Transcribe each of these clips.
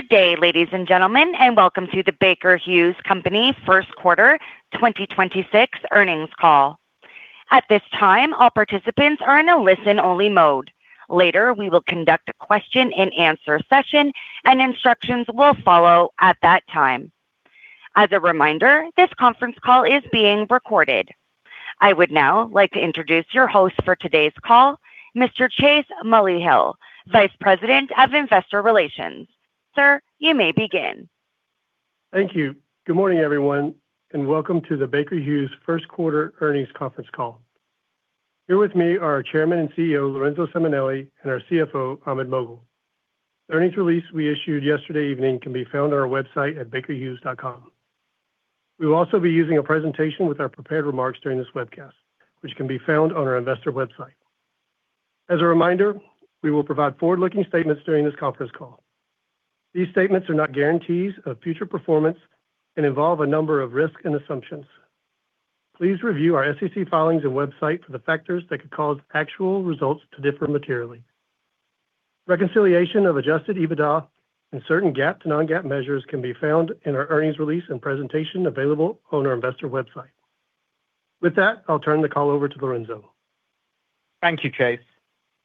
Good day, ladies and gentlemen, and welcome to the Baker Hughes Company first quarter 2026 earnings call. At this time, all participants are in a listen-only mode. Later, we will conduct a question-and-answer session, and instructions will follow at that time. As a reminder, this conference call is being recorded. I would now like to introduce your host for today's call, Mr. Chase Mulvehill, Vice President of Investor Relations. Sir, you may begin. Thank you. Good morning, everyone, and welcome to the Baker Hughes first quarter earnings conference call. Here with me are our Chairman and CEO, Lorenzo Simonelli, and our CFO, Ahmed Moghal. The earnings release we issued yesterday evening can be found on our website at bakerhughes.com. We will also be using a presentation with our prepared remarks during this webcast, which can be found on our investor website. As a reminder, we will provide forward-looking statements during this conference call. These statements are not guarantees of future performance and involve a number of risks and assumptions. Please review our SEC filings and website for the factors that could cause actual results to differ materially. Reconciliation of adjusted EBITDA and certain GAAP to non-GAAP measures can be found in our earnings release and presentation available on our investor website. With that, I'll turn the call over to Lorenzo. Thank you, Chase.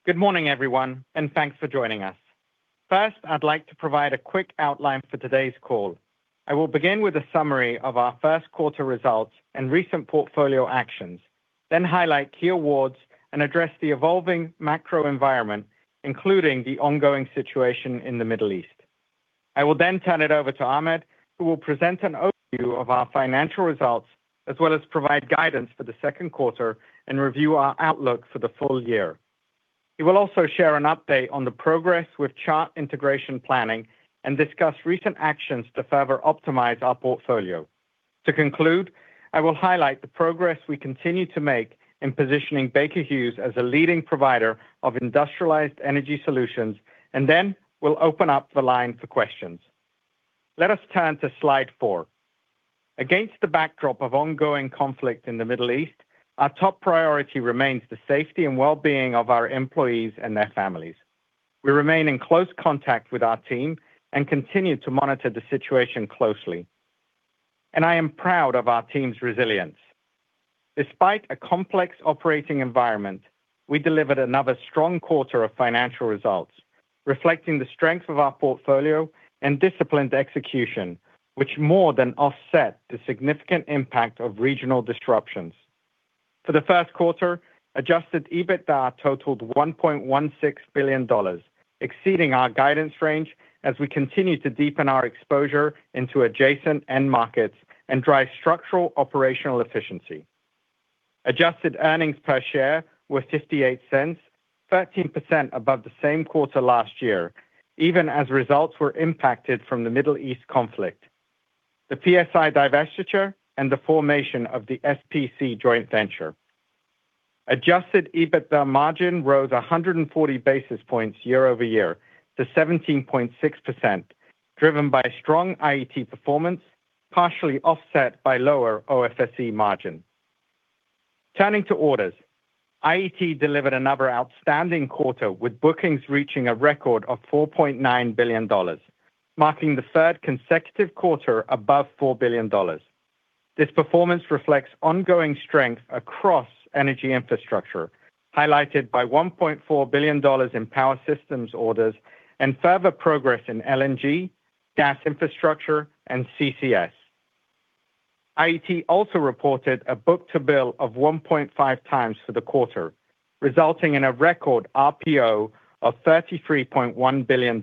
Good morning, everyone, and thanks for joining us. First, I'd like to provide a quick outline for today's call. I will begin with a summary of our first quarter results and recent portfolio actions, then highlight key awards and address the evolving macro environment, including the ongoing situation in the Middle East. I will then turn it over to Ahmed, who will present an overview of our financial results, as well as provide guidance for the second quarter and review our outlook for the full year. He will also share an update on the progress with Chart integration planning and discuss recent actions to further optimize our portfolio. To conclude, I will highlight the progress we continue to make in positioning Baker Hughes as a leading provider of industrialized energy solutions, and then we'll open up the line for questions. Let us turn to slide four. Against the backdrop of ongoing conflict in the Middle East, our top priority remains the safety and well-being of our employees and their families. We remain in close contact with our team and continue to monitor the situation closely, and I am proud of our team's resilience. Despite a complex operating environment, we delivered another strong quarter of financial results, reflecting the strength of our portfolio and disciplined execution, which more than offset the significant impact of regional disruptions. For the first quarter, adjusted EBITDA totaled $1.16 billion, exceeding our guidance range as we continue to deepen our exposure into adjacent end markets and drive structural operational efficiency. Adjusted earnings per share were $0.58, 13% above the same quarter last year, even as results were impacted from the Middle East conflict, the PSI divestiture, and the formation of the SPC joint venture. Adjusted EBITDA margin rose 140 basis points year-over-year to 17.6%, driven by strong IET performance, partially offset by lower OFSE margin. Turning to orders, IET delivered another outstanding quarter, with bookings reaching a record of $4.9 billion, marking the third consecutive quarter above $4 billion. This performance reflects ongoing strength across energy infrastructure, highlighted by $1.4 billion in Power Systems orders and further progress in LNG, Gas Infrastructure, and CCS. IET also reported a book-to-bill of 1.5x for the quarter, resulting in a record RPO of $33.1 billion.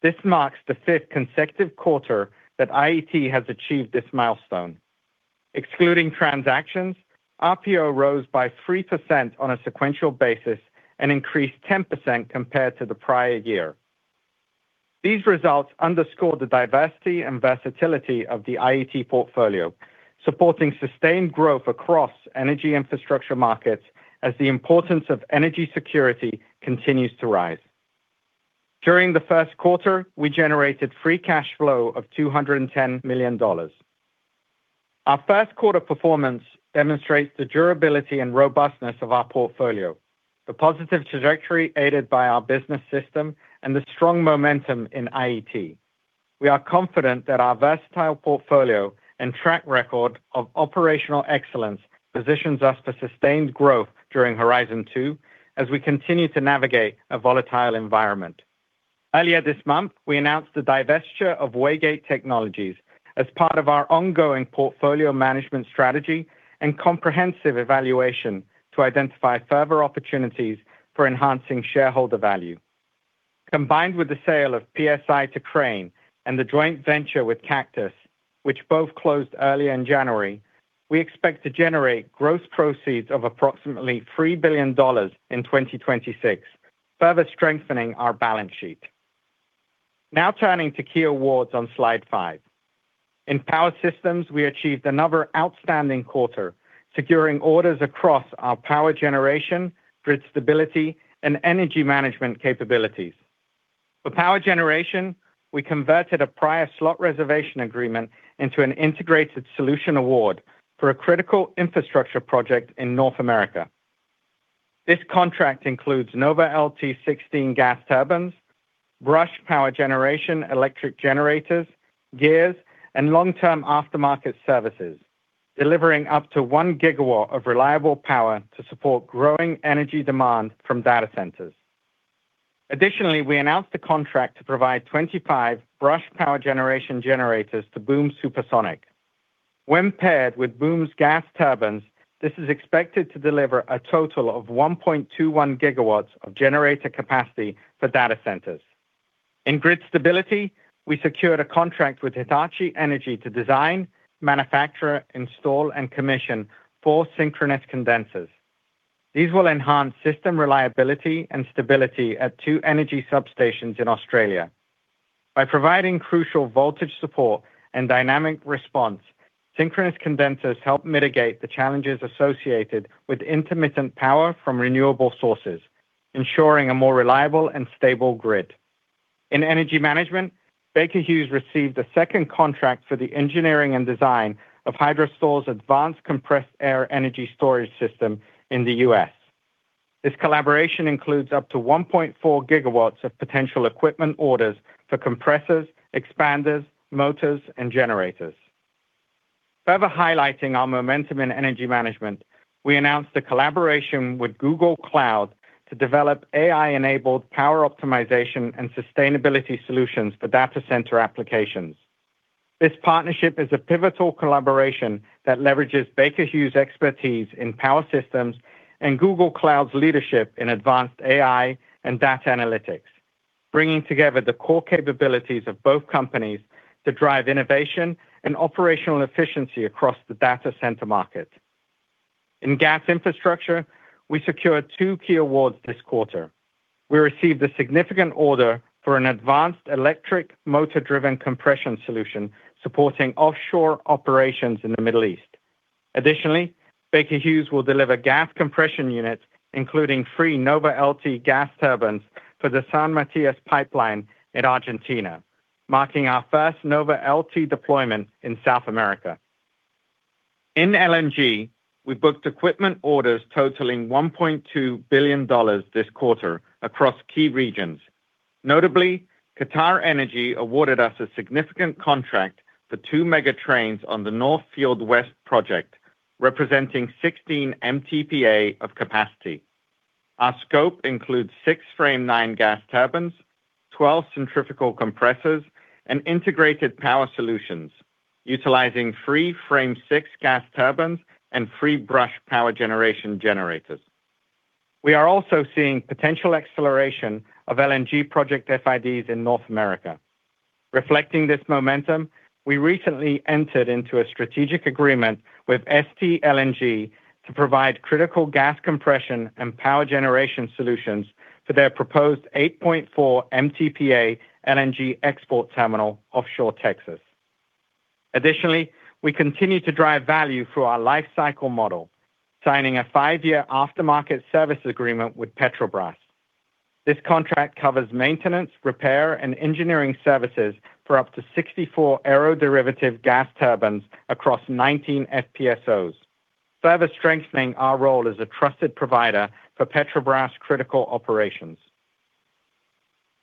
This marks the fifth consecutive quarter that IET has achieved this milestone. Excluding transactions, RPO rose by 3% on a sequential basis and increased 10% compared to the prior year. These results underscore the diversity and versatility of the IET portfolio, supporting sustained growth across energy infrastructure markets as the importance of energy security continues to rise. During the first quarter, we generated free cash flow of $210 million. Our first quarter performance demonstrates the durability and robustness of our portfolio, the positive trajectory aided by our business system, and the strong momentum in IET. We are confident that our versatile portfolio and track record of operational excellence positions us for sustained growth during Horizon 2 as we continue to navigate a volatile environment. Earlier this month, we announced the divestiture of Waygate Technologies as part of our ongoing portfolio management strategy and comprehensive evaluation to identify further opportunities for enhancing shareholder value. Combined with the sale of PSI to Crane and the joint venture with Cactus, which both closed early in January, we expect to generate gross proceeds of approximately $3 billion in 2026, further strengthening our balance sheet. Now turning to key awards on slide five. In Power Systems, we achieved another outstanding quarter, securing orders across our power generation, grid stability, and energy management capabilities. For power generation, we converted a prior slot reservation agreement into an integrated solution award for a critical infrastructure project in North America. This contract includes NovaLT16 gas turbines, BRUSH Power Generation electric generators, gears, and long-term aftermarket services, delivering up to 1 GW of reliable power to support growing energy demand from data centers. Additionally, we announced a contract to provide 25 BRUSH Power Generation generators to Boom Supersonic. When paired with Boom's gas turbines, this is expected to deliver a total of 1.21 GW of generator capacity for data centers. In grid stability, we secured a contract with Hitachi Energy to design, manufacture, install, and commission 4 synchronous condensers. These will enhance system reliability and stability at two energy substations in Australia. By providing crucial voltage support and dynamic response, synchronous condensers help mitigate the challenges associated with intermittent power from renewable sources, ensuring a more reliable and stable grid. In energy management, Baker Hughes received a second contract for the engineering and design of Hydrostor's advanced compressed air energy storage system in the U.S. This collaboration includes up to 1.4 GW of potential equipment orders for compressors, expanders, motors, and generators. Further highlighting our momentum in energy management, we announced a collaboration with Google Cloud to develop AI-enabled power optimization and sustainability solutions for data center applications. This partnership is a pivotal collaboration that leverages Baker Hughes' expertise in Power Systems and Google Cloud's leadership in advanced AI and data analytics, bringing together the core capabilities of both companies to drive innovation and operational efficiency across the data center market. In Gas Infrastructure, we secured two key awards this quarter. We received a significant order for an advanced electric motor-driven compression solution supporting offshore operations in the Middle East. Additionally, Baker Hughes will deliver gas compression units, including three NovaLT gas turbines for the San Matias Pipeline in Argentina, marking our first NovaLT deployment in South America. In LNG, we've booked equipment orders totaling $1.2 billion this quarter across key regions. Notably, QatarEnergy awarded us a significant contract for two mega trains on the North Field West project, representing 16 MTPA of capacity. Our scope includes six Frame 9 gas turbines, 12 centrifugal compressors, and integrated power solutions utilizing three Frame 6 gas turbines and three BRUSH Power Generation generators. We are also seeing potential acceleration of LNG project FIDs in North America. Reflecting this momentum, we recently entered into a strategic agreement with ST LNG to provide critical gas compression and power generation solutions for their proposed 8.4 MTPA LNG export terminal offshore Texas. Additionally, we continue to drive value through our life cycle model, signing a five-year aftermarket service agreement with Petrobras. This contract covers maintenance, repair, and engineering services for up to 64 aeroderivative gas turbines across 19 FPSOs, further strengthening our role as a trusted provider for Petrobras critical operations.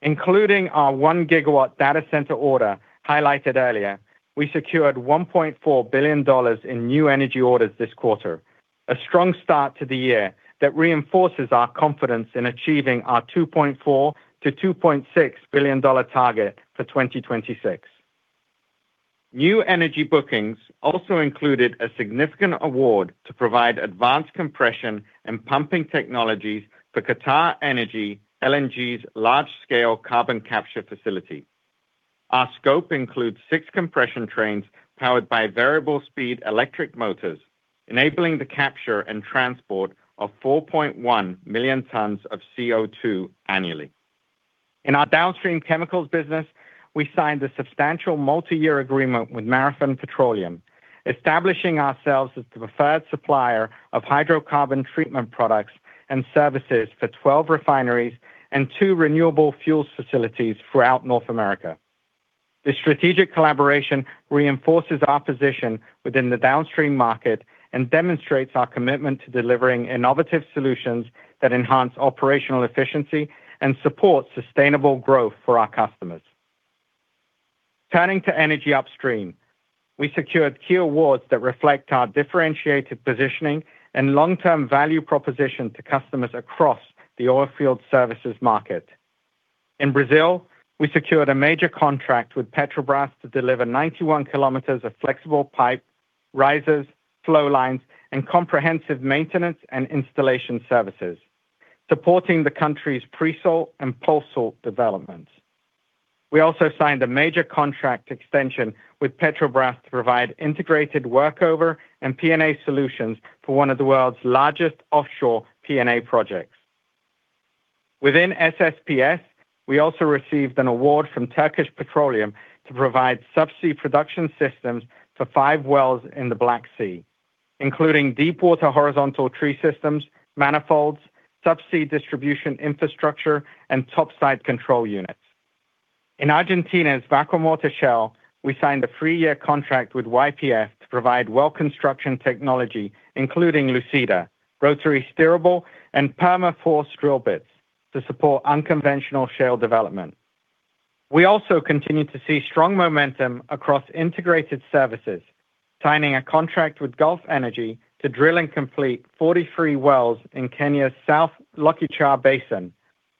Including our 1 GW data center order highlighted earlier, we secured $1.4 billion in new energy orders this quarter, a strong start to the year that reinforces our confidence in achieving our $2.4 billion-$2.6 billion target for 2026. New energy bookings also included a significant award to provide advanced compression and pumping technologies for QatarEnergy LNG's large-scale carbon capture facility. Our scope includes six compression trains powered by variable speed electric motors, enabling the capture and transport of 4.1 million tons of CO2 annually. In our downstream chemicals business, we signed a substantial multi-year agreement with Marathon Petroleum, establishing ourselves as the preferred supplier of hydrocarbon treatment products and services for 12 refineries and two renewable fuels facilities throughout North America. This strategic collaboration reinforces our position within the downstream market and demonstrates our commitment to delivering innovative solutions that enhance operational efficiency and support sustainable growth for our customers. Turning to Energy Upstream, we secured key awards that reflect our differentiated positioning and long-term value proposition to customers across the oilfield services market. In Brazil, we secured a major contract with Petrobras to deliver 91 km of flexible pipe risers, flow lines, and comprehensive maintenance and installation services, supporting the country's pre-salt and post-salt developments. We also signed a major contract extension with Petrobras to provide integrated workover and P&A solutions for one of the world's largest offshore P&A projects. Within SSPS, we also received an award from Turkish Petroleum to provide subsea production systems for five wells in the Black Sea, including deep water horizontal tree systems, manifolds, subsea distribution infrastructure, and topside control units. In Argentina's Vaca Muerta shale, we signed a three-year contract with YPF to provide well construction technology, including Lucida, rotary steerable, and PermaFORCE drill bits to support unconventional shale development. We also continue to see strong momentum across integrated services, signing a contract with Gulf Energy to drill and complete 43 wells in Kenya's South Lokichar Basin,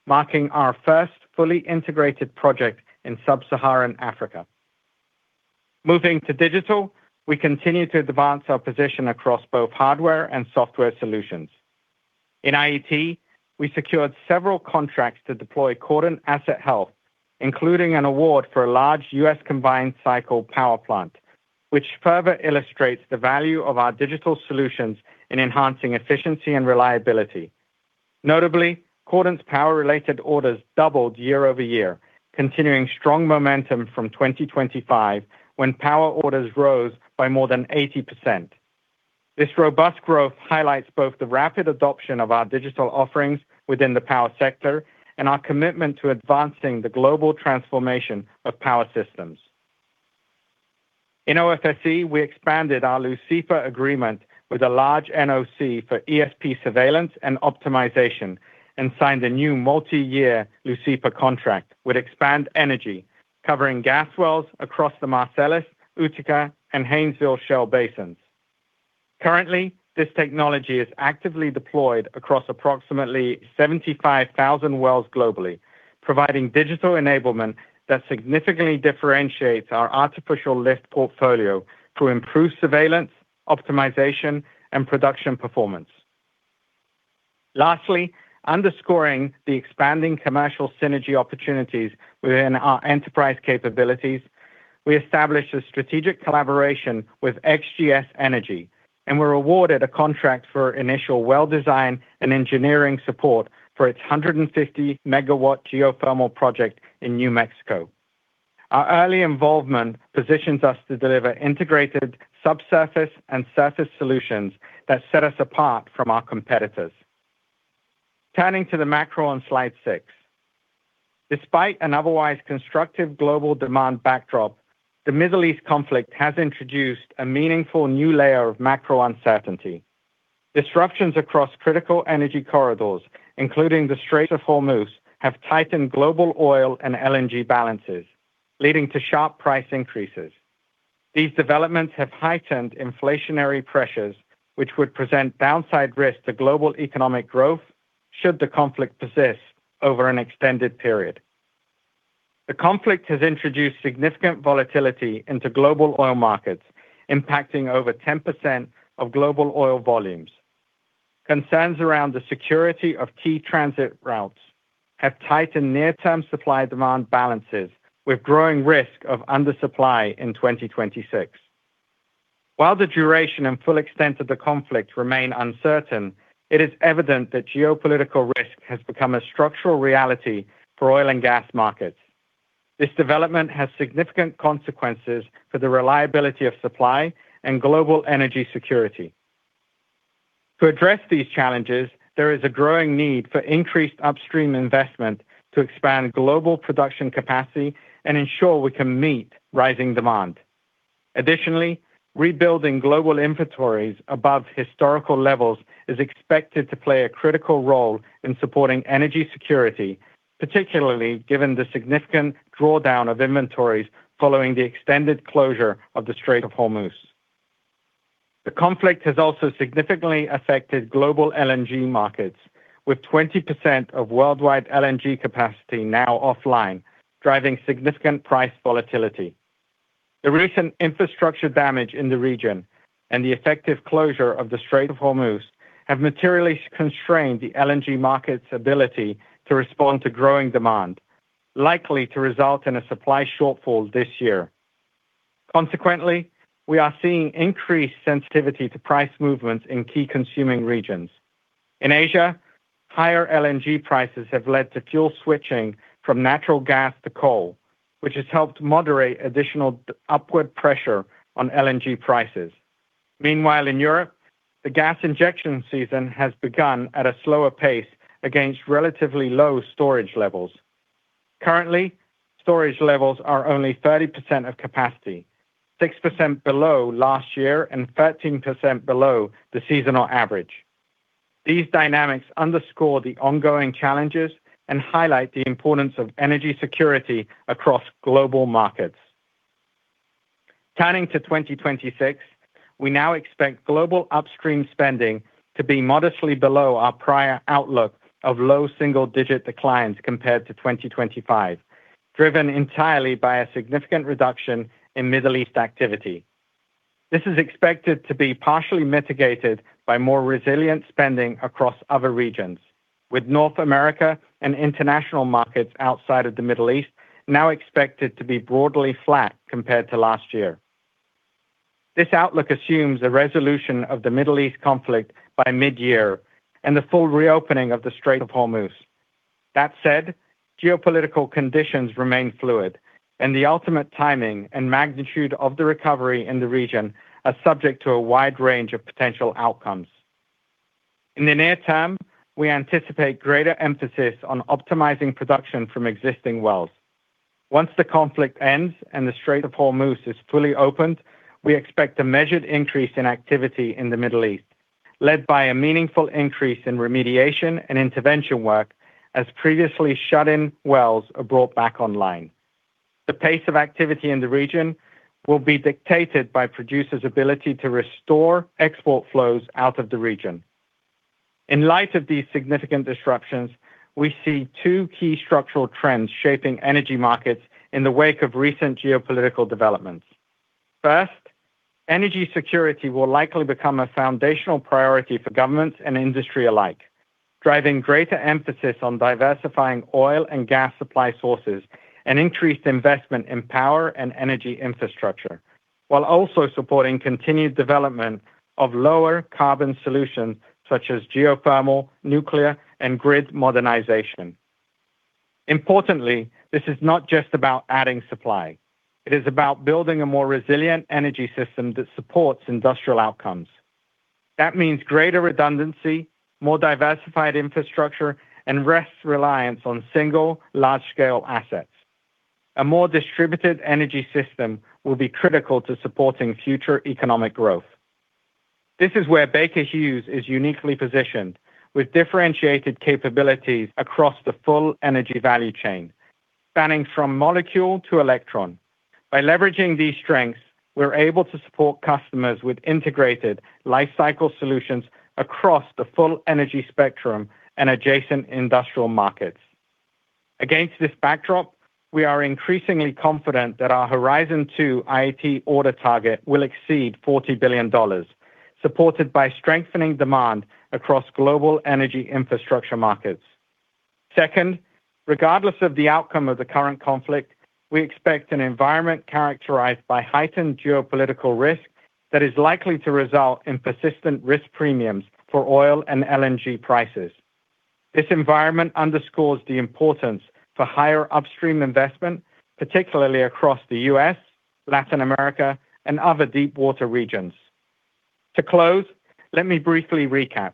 marking our first fully integrated project in sub-Saharan Africa. Moving to digital, we continue to advance our position across both hardware and software solutions. In IET, we secured several contracts to deploy Cordant Asset Health, including an award for a large U.S. combined cycle power plant, which further illustrates the value of our digital solutions in enhancing efficiency and reliability. Notably, Cordant's power-related orders doubled year-over-year, continuing strong momentum from 2025, when power orders rose by more than 80%. This robust growth highlights both the rapid adoption of our digital offerings within the power sector and our commitment to advancing the global transformation of Power Systems. In OFSE, we expanded our Leucipa agreement with a large NOC for ESP surveillance and optimization and signed a new multi-year Leucipa contract with Expand Energy covering gas wells across the Marcellus, Utica, and Haynesville shale basins. Currently, this technology is actively deployed across approximately 75,000 wells globally, providing digital enablement that significantly differentiates our artificial lift portfolio to improve surveillance, optimization, and production performance. Lastly, underscoring the expanding commercial synergy opportunities within our enterprise capabilities, we established a strategic collaboration with XGS Energy and were awarded a contract for initial well design and engineering support for its 150 MW geothermal project in New Mexico. Our early involvement positions us to deliver integrated subsurface and surface solutions that set us apart from our competitors. Turning to the macro on slide six. Despite an otherwise constructive global demand backdrop, the Middle East conflict has introduced a meaningful new layer of macro uncertainty. Disruptions across critical energy corridors, including the Strait of Hormuz, have tightened global oil and LNG balances, leading to sharp price increases. These developments have heightened inflationary pressures, which would present downside risks to global economic growth should the conflict persist over an extended period. The conflict has introduced significant volatility into global oil markets, impacting over 10% of global oil volumes. Concerns around the security of key transit routes have tightened near-term supply-demand balances, with growing risk of undersupply in 2026. While the duration and full extent of the conflict remain uncertain, it is evident that geopolitical risk has become a structural reality for oil and gas markets. This development has significant consequences for the reliability of supply and global energy security. To address these challenges, there is a growing need for increased upstream investment to expand global production capacity and ensure we can meet rising demand. Additionally, rebuilding global inventories above historical levels is expected to play a critical role in supporting energy security, particularly given the significant drawdown of inventories following the extended closure of the Strait of Hormuz. The conflict has also significantly affected global LNG markets, with 20% of worldwide LNG capacity now offline, driving significant price volatility. The recent infrastructure damage in the region and the effective closure of the Strait of Hormuz have materially constrained the LNG market's ability to respond to growing demand, likely to result in a supply shortfall this year. Consequently, we are seeing increased sensitivity to price movements in key consuming regions. In Asia, higher LNG prices have led to fuel switching from natural gas to coal, which has helped moderate additional upward pressure on LNG prices. Meanwhile, in Europe, the gas injection season has begun at a slower pace against relatively low storage levels. Currently, storage levels are only 30% of capacity, 6% below last year and 13% below the seasonal average. These dynamics underscore the ongoing challenges and highlight the importance of energy security across global markets. Turning to 2026, we now expect global upstream spending to be modestly below our prior outlook of low single-digit declines compared to 2025, driven entirely by a significant reduction in Middle East activity. This is expected to be partially mitigated by more resilient spending across other regions, with North America and international markets outside of the Middle East now expected to be broadly flat compared to last year. This outlook assumes a resolution of the Middle East conflict by mid-year and the full reopening of the Strait of Hormuz. That said, geopolitical conditions remain fluid and the ultimate timing and magnitude of the recovery in the region are subject to a wide range of potential outcomes. In the near term, we anticipate greater emphasis on optimizing production from existing wells. Once the conflict ends and the Strait of Hormuz is fully opened, we expect a measured increase in activity in the Middle East, led by a meaningful increase in remediation and intervention work as previously shut-in wells are brought back online. The pace of activity in the region will be dictated by producers' ability to restore export flows out of the region. In light of these significant disruptions, we see two key structural trends shaping energy markets in the wake of recent geopolitical developments. First, energy security will likely become a foundational priority for governments and industry alike, driving greater emphasis on diversifying oil and gas supply sources and increased investment in power and energy infrastructure, while also supporting continued development of lower carbon solutions such as geothermal, nuclear, and grid modernization. Importantly, this is not just about adding supply. It is about building a more resilient energy system that supports industrial outcomes. That means greater redundancy, more diversified infrastructure, and less reliance on single large-scale assets. A more distributed energy system will be critical to supporting future economic growth. This is where Baker Hughes is uniquely positioned with differentiated capabilities across the full energy value chain, spanning from molecule to electron. By leveraging these strengths, we're able to support customers with integrated life cycle solutions across the full energy spectrum and adjacent industrial markets. Against this backdrop, we are increasingly confident that our Horizon 2 IET order target will exceed $40 billion, supported by strengthening demand across global energy infrastructure markets. Second, regardless of the outcome of the current conflict, we expect an environment characterized by heightened geopolitical risk that is likely to result in persistent risk premiums for oil and LNG prices. This environment underscores the importance for higher upstream investment, particularly across the U.S., Latin America, and other deep-water regions. To close, let me briefly recap.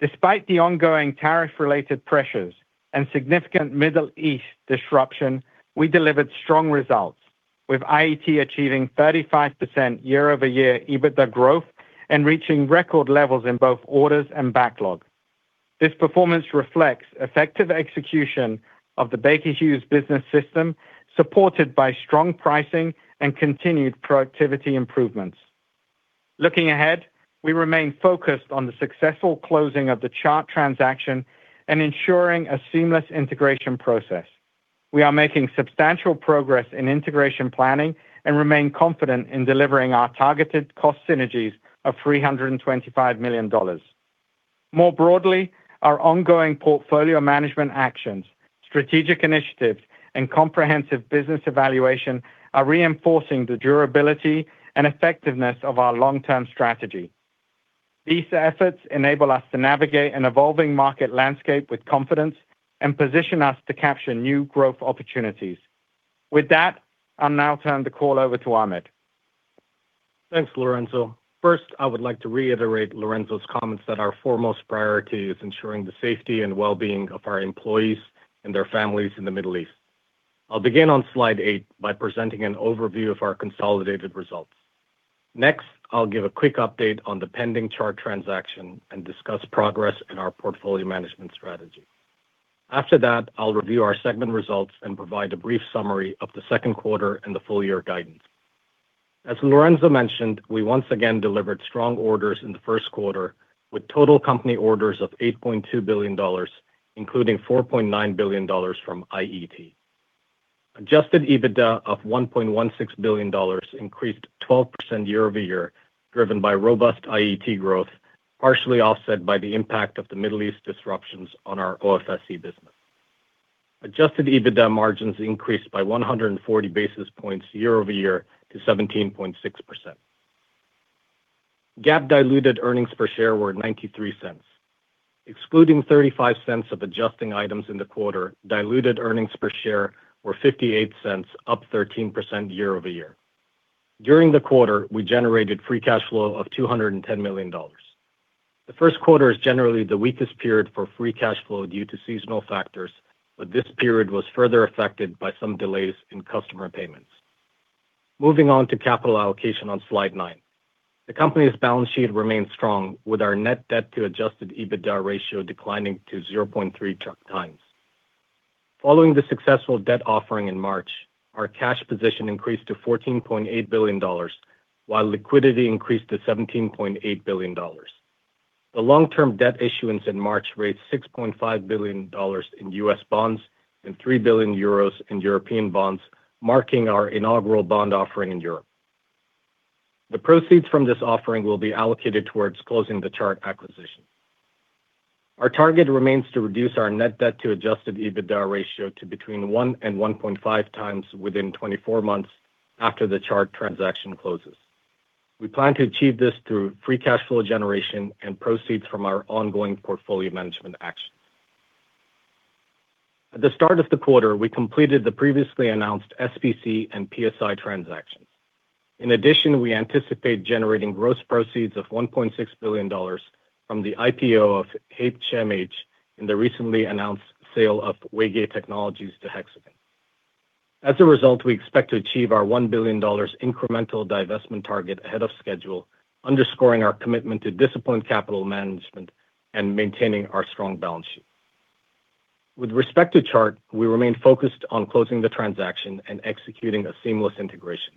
Despite the ongoing tariff-related pressures and significant Middle East disruption, we delivered strong results, with IET achieving 35% year-over-year EBITDA growth and reaching record levels in both orders and backlog. This performance reflects effective execution of the Baker Hughes business system, supported by strong pricing and continued productivity improvements. Looking ahead, we remain focused on the successful closing of the Chart transaction and ensuring a seamless integration process. We are making substantial progress in integration planning and remain confident in delivering our targeted cost synergies of $325 million. More broadly, our ongoing portfolio management actions, strategic initiatives, and comprehensive business evaluation are reinforcing the durability and effectiveness of our long-term strategy. These efforts enable us to navigate an evolving market landscape with confidence and position us to capture new growth opportunities. With that, I'll now turn the call over to Ahmed. Thanks, Lorenzo. First, I would like to reiterate Lorenzo's comments that our foremost priority is ensuring the safety and well-being of our employees and their families in the Middle East. I'll begin on slide eight by presenting an overview of our consolidated results. Next, I'll give a quick update on the pending Chart transaction and discuss progress in our portfolio management strategy. After that, I'll review our segment results and provide a brief summary of the second quarter and the full-year guidance. As Lorenzo mentioned, we once again delivered strong orders in the first quarter with total company orders of $8.2 billion, including $4.9 billion from IET. Adjusted EBITDA of $1.16 billion increased 12% year-over-year, driven by robust IET growth, partially offset by the impact of the Middle East disruptions on our OFSE business. Adjusted EBITDA margins increased by 140 basis points year-over-year to 17.6%. GAAP diluted earnings per share were $0.93. Excluding $0.35 of adjusting items in the quarter, diluted earnings per share were $0.58, up 13% year-over-year. During the quarter, we generated free cash flow of $210 million. The first quarter is generally the weakest period for free cash flow due to seasonal factors, but this period was further affected by some delays in customer payments. Moving on to capital allocation on slide nine. The company's balance sheet remains strong, with our net debt to adjusted EBITDA ratio declining to 0.3x. Following the successful debt offering in March, our cash position increased to $14.8 billion, while liquidity increased to $17.8 billion. The long-term debt issuance in March raised $6.5 billion in U.S. bonds and 3 billion euros in European bonds, marking our inaugural bond offering in Europe. The proceeds from this offering will be allocated towards closing the Chart acquisition. Our target remains to reduce our net debt to adjusted EBITDA ratio to between 1x and 1.5x within 24 months after the Chart transaction closes. We plan to achieve this through free cash flow generation and proceeds from our ongoing portfolio management actions. At the start of the quarter, we completed the previously announced SPC and PSI transactions. In addition, we anticipate generating gross proceeds of $1.6 billion from the IPO of HMH and the recently announced sale of Waygate Technologies to Hexagon. As a result, we expect to achieve our $1 billion incremental divestment target ahead of schedule, underscoring our commitment to disciplined capital management and maintaining our strong balance sheet. With respect to Chart, we remain focused on closing the transaction and executing a seamless integration.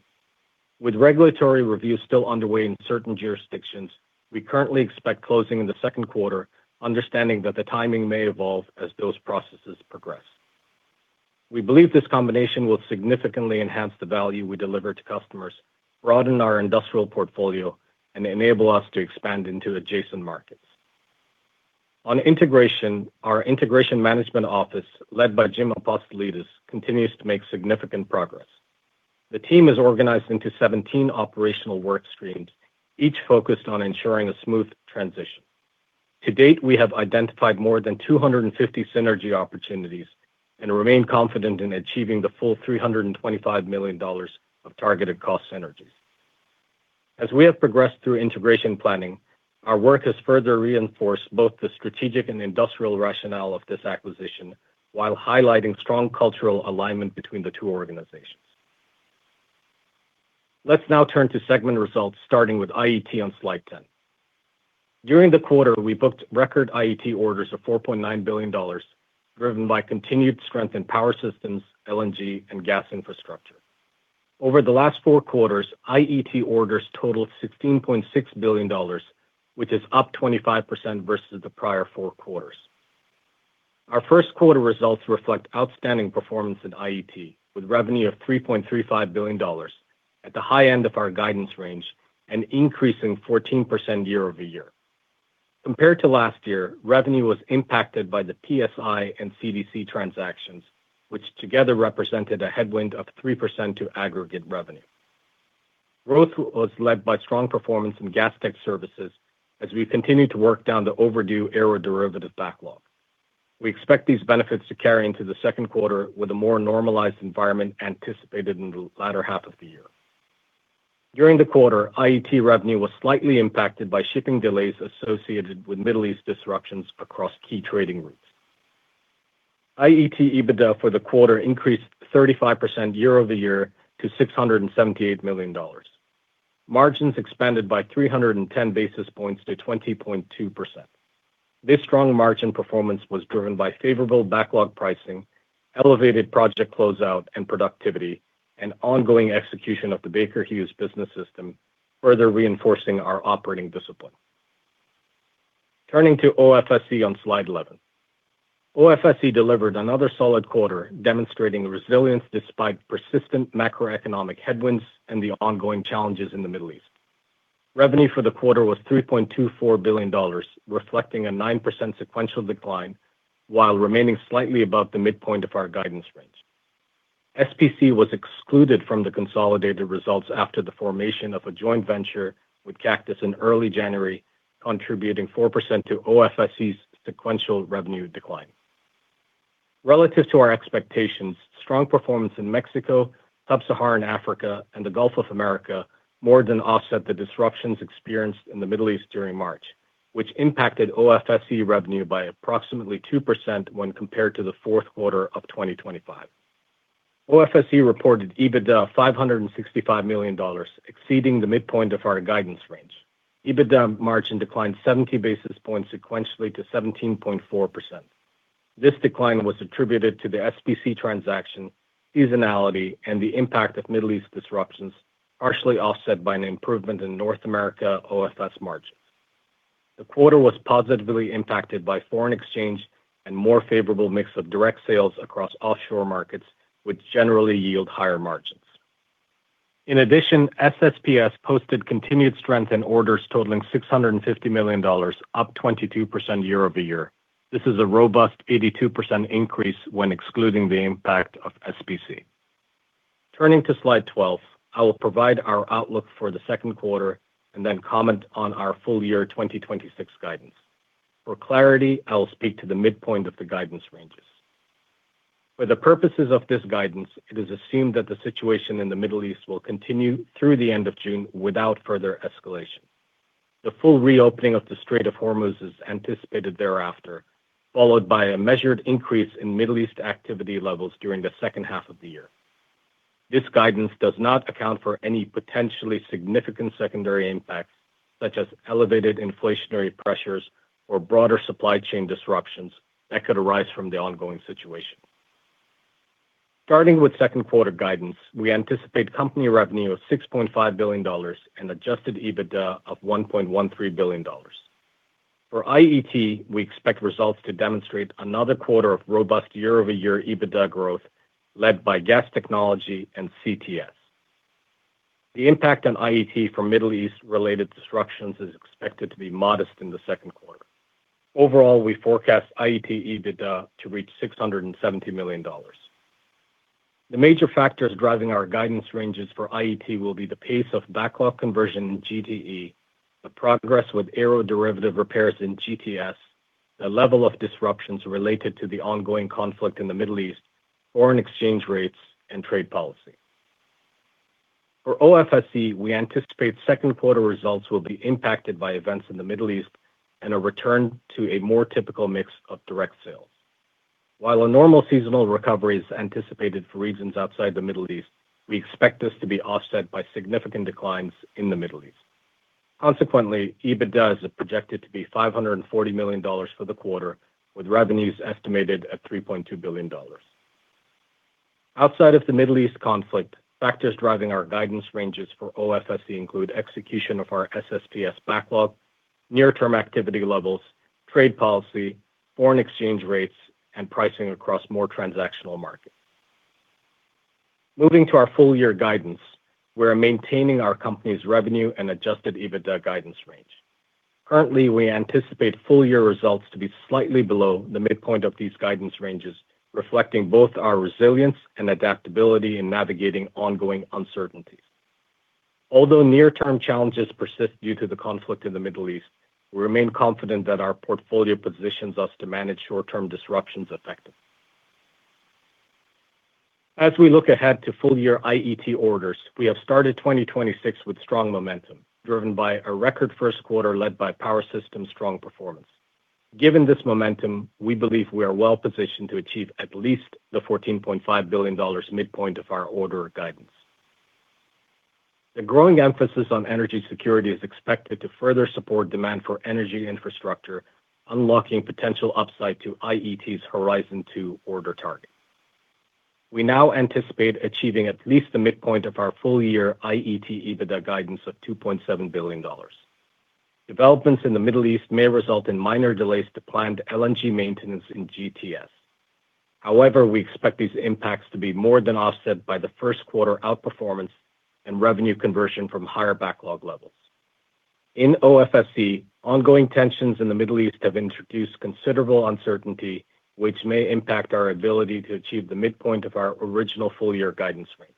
With regulatory reviews still underway in certain jurisdictions, we currently expect closing in the second quarter, understanding that the timing may evolve as those processes progress. We believe this combination will significantly enhance the value we deliver to customers, broaden our industrial portfolio, and enable us to expand into adjacent markets. On integration, our integration management office, led by Jim Apostolides, continues to make significant progress. The team is organized into 17 operational work streams, each focused on ensuring a smooth transition. To date, we have identified more than 250 synergy opportunities and remain confident in achieving the full $325 million of targeted cost synergies. As we have progressed through integration planning, our work has further reinforced both the strategic and industrial rationale of this acquisition while highlighting strong cultural alignment between the two organizations. Let's now turn to segment results, starting with IET on slide 10. During the quarter, we booked record IET orders of $4.9 billion, driven by continued strength in Power Systems, LNG, and Gas Infrastructure. Over the last four quarters, IET orders totaled $16.6 billion, which is up 25% versus the prior four quarters. Our first quarter results reflect outstanding performance in IET, with revenue of $3.35 billion at the high end of our guidance range and increasing 14% year-over-year. Compared to last year, revenue was impacted by the PSI and CDC transactions, which together represented a headwind of 3% to aggregate revenue. Growth was led by strong performance in Gas Tech Services as we continue to work down the overdue aeroderivative backlog. We expect these benefits to carry into the second quarter with a more normalized environment anticipated in the latter half of the year. During the quarter, IET revenue was slightly impacted by shipping delays associated with Middle East disruptions across key trading routes. IET EBITDA for the quarter increased 35% year-over-year to $678 million. Margins expanded by 310 basis points to 20.2%. This strong margin performance was driven by favorable backlog pricing, elevated project closeout and productivity, and ongoing execution of the Baker Hughes business system, further reinforcing our operating discipline. Turning to OFSE on slide 11. OFSE delivered another solid quarter, demonstrating resilience despite persistent macroeconomic headwinds and the ongoing challenges in the Middle East. Revenue for the quarter was $3.24 billion, reflecting a 9% sequential decline while remaining slightly above the midpoint of our guidance range. SPC was excluded from the consolidated results after the formation of a joint venture with Cactus in early January, contributing 4% to OFSE's sequential revenue decline. Relative to our expectations, strong performance in Mexico, Sub-Saharan Africa, and the Gulf of America more than offset the disruptions experienced in the Middle East during March, which impacted OFSE revenue by approximately 2% when compared to the fourth quarter of 2025. OFSE reported EBITDA of $565 million, exceeding the midpoint of our guidance range. EBITDA margin declined 70 basis points sequentially to 17.4%. This decline was attributed to the SPC transaction, seasonality, and the impact of Middle East disruptions, partially offset by an improvement in North America OFS margins. The quarter was positively impacted by foreign exchange and more favorable mix of direct sales across offshore markets, which generally yield higher margins. In addition, SSPS posted continued strength in orders totaling $650 million, up 22% year-over-year. This is a robust 82% increase when excluding the impact of SBC. Turning to slide 12, I will provide our outlook for the second quarter and then comment on our full year 2026 guidance. For clarity, I will speak to the midpoint of the guidance ranges. For the purposes of this guidance, it is assumed that the situation in the Middle East will continue through the end of June without further escalation. The full reopening of the Strait of Hormuz is anticipated thereafter, followed by a measured increase in Middle East activity levels during the second half of the year. This guidance does not account for any potentially significant secondary impacts, such as elevated inflationary pressures or broader supply chain disruptions, that could arise from the ongoing situation. Starting with second quarter guidance, we anticipate company revenue of $6.5 billion and adjusted EBITDA of $1.13 billion. For IET, we expect results to demonstrate another quarter of robust year-over-year EBITDA growth led by Gas Technology and CTS. The impact on IET from Middle East-related disruptions is expected to be modest in the second quarter. Overall, we forecast IET EBITDA to reach $670 million. The major factors driving our guidance ranges for IET will be the pace of backlog conversion in GTE, the progress with aeroderivative repairs in GTS, the level of disruptions related to the ongoing conflict in the Middle East, foreign exchange rates, and trade policy. For OFSE, we anticipate second quarter results will be impacted by events in the Middle East and a return to a more typical mix of direct sales. While a normal seasonal recovery is anticipated for regions outside the Middle East, we expect this to be offset by significant declines in the Middle East. Consequently, EBITDA is projected to be $540 million for the quarter, with revenues estimated at $3.2 billion. Outside of the Middle East conflict, factors driving our guidance ranges for OFSE include execution of our SSPS backlog, near-term activity levels, trade policy, foreign exchange rates, and pricing across more transactional markets. Moving to our full-year guidance, we're maintaining our company's revenue and adjusted EBITDA guidance range. Currently, we anticipate full-year results to be slightly below the midpoint of these guidance ranges, reflecting both our resilience and adaptability in navigating ongoing uncertainties. Although near-term challenges persist due to the conflict in the Middle East, we remain confident that our portfolio positions us to manage short-term disruptions effectively. As we look ahead to full-year IET orders, we have started 2026 with strong momentum, driven by a record first quarter led by Power Systems' strong performance. Given this momentum, we believe we are well-positioned to achieve at least the $14.5 billion midpoint of our order guidance. The growing emphasis on energy security is expected to further support demand for energy infrastructure, unlocking potential upside to IET's Horizon 2 order target. We now anticipate achieving at least the midpoint of our full-year IET EBITDA guidance of $2.7 billion. Developments in the Middle East may result in minor delays to planned LNG maintenance in GTS. However, we expect these impacts to be more than offset by the first quarter outperformance and revenue conversion from higher backlog levels. In OFSE, ongoing tensions in the Middle East have introduced considerable uncertainty, which may impact our ability to achieve the midpoint of our original full-year guidance range.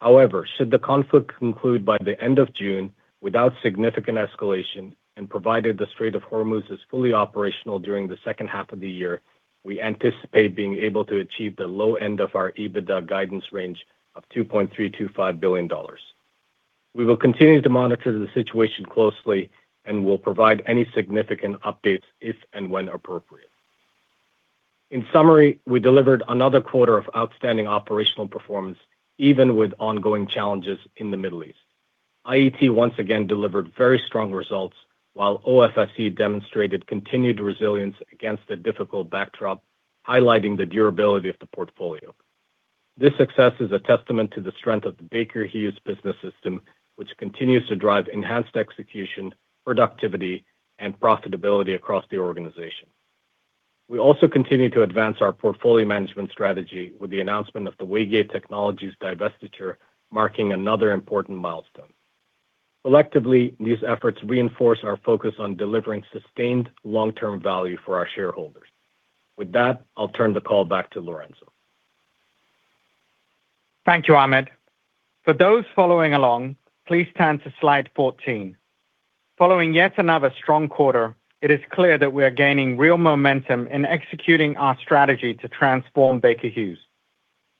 However, should the conflict conclude by the end of June without significant escalation, and provided the Strait of Hormuz is fully operational during the second half of the year, we anticipate being able to achieve the low end of our EBITDA guidance range of $2.325 billion. We will continue to monitor the situation closely and will provide any significant updates if and when appropriate. In summary, we delivered another quarter of outstanding operational performance, even with ongoing challenges in the Middle East. IET once again delivered very strong results, while OFSE demonstrated continued resilience against a difficult backdrop, highlighting the durability of the portfolio. This success is a testament to the strength of the Baker Hughes business system, which continues to drive enhanced execution, productivity, and profitability across the organization. We also continue to advance our portfolio management strategy with the announcement of the Waygate Technologies divestiture, marking another important milestone. Collectively, these efforts reinforce our focus on delivering sustained long-term value for our shareholders. With that, I'll turn the call back to Lorenzo. Thank you, Ahmed. For those following along, please turn to slide 14. Following yet another strong quarter, it is clear that we are gaining real momentum in executing our strategy to transform Baker Hughes.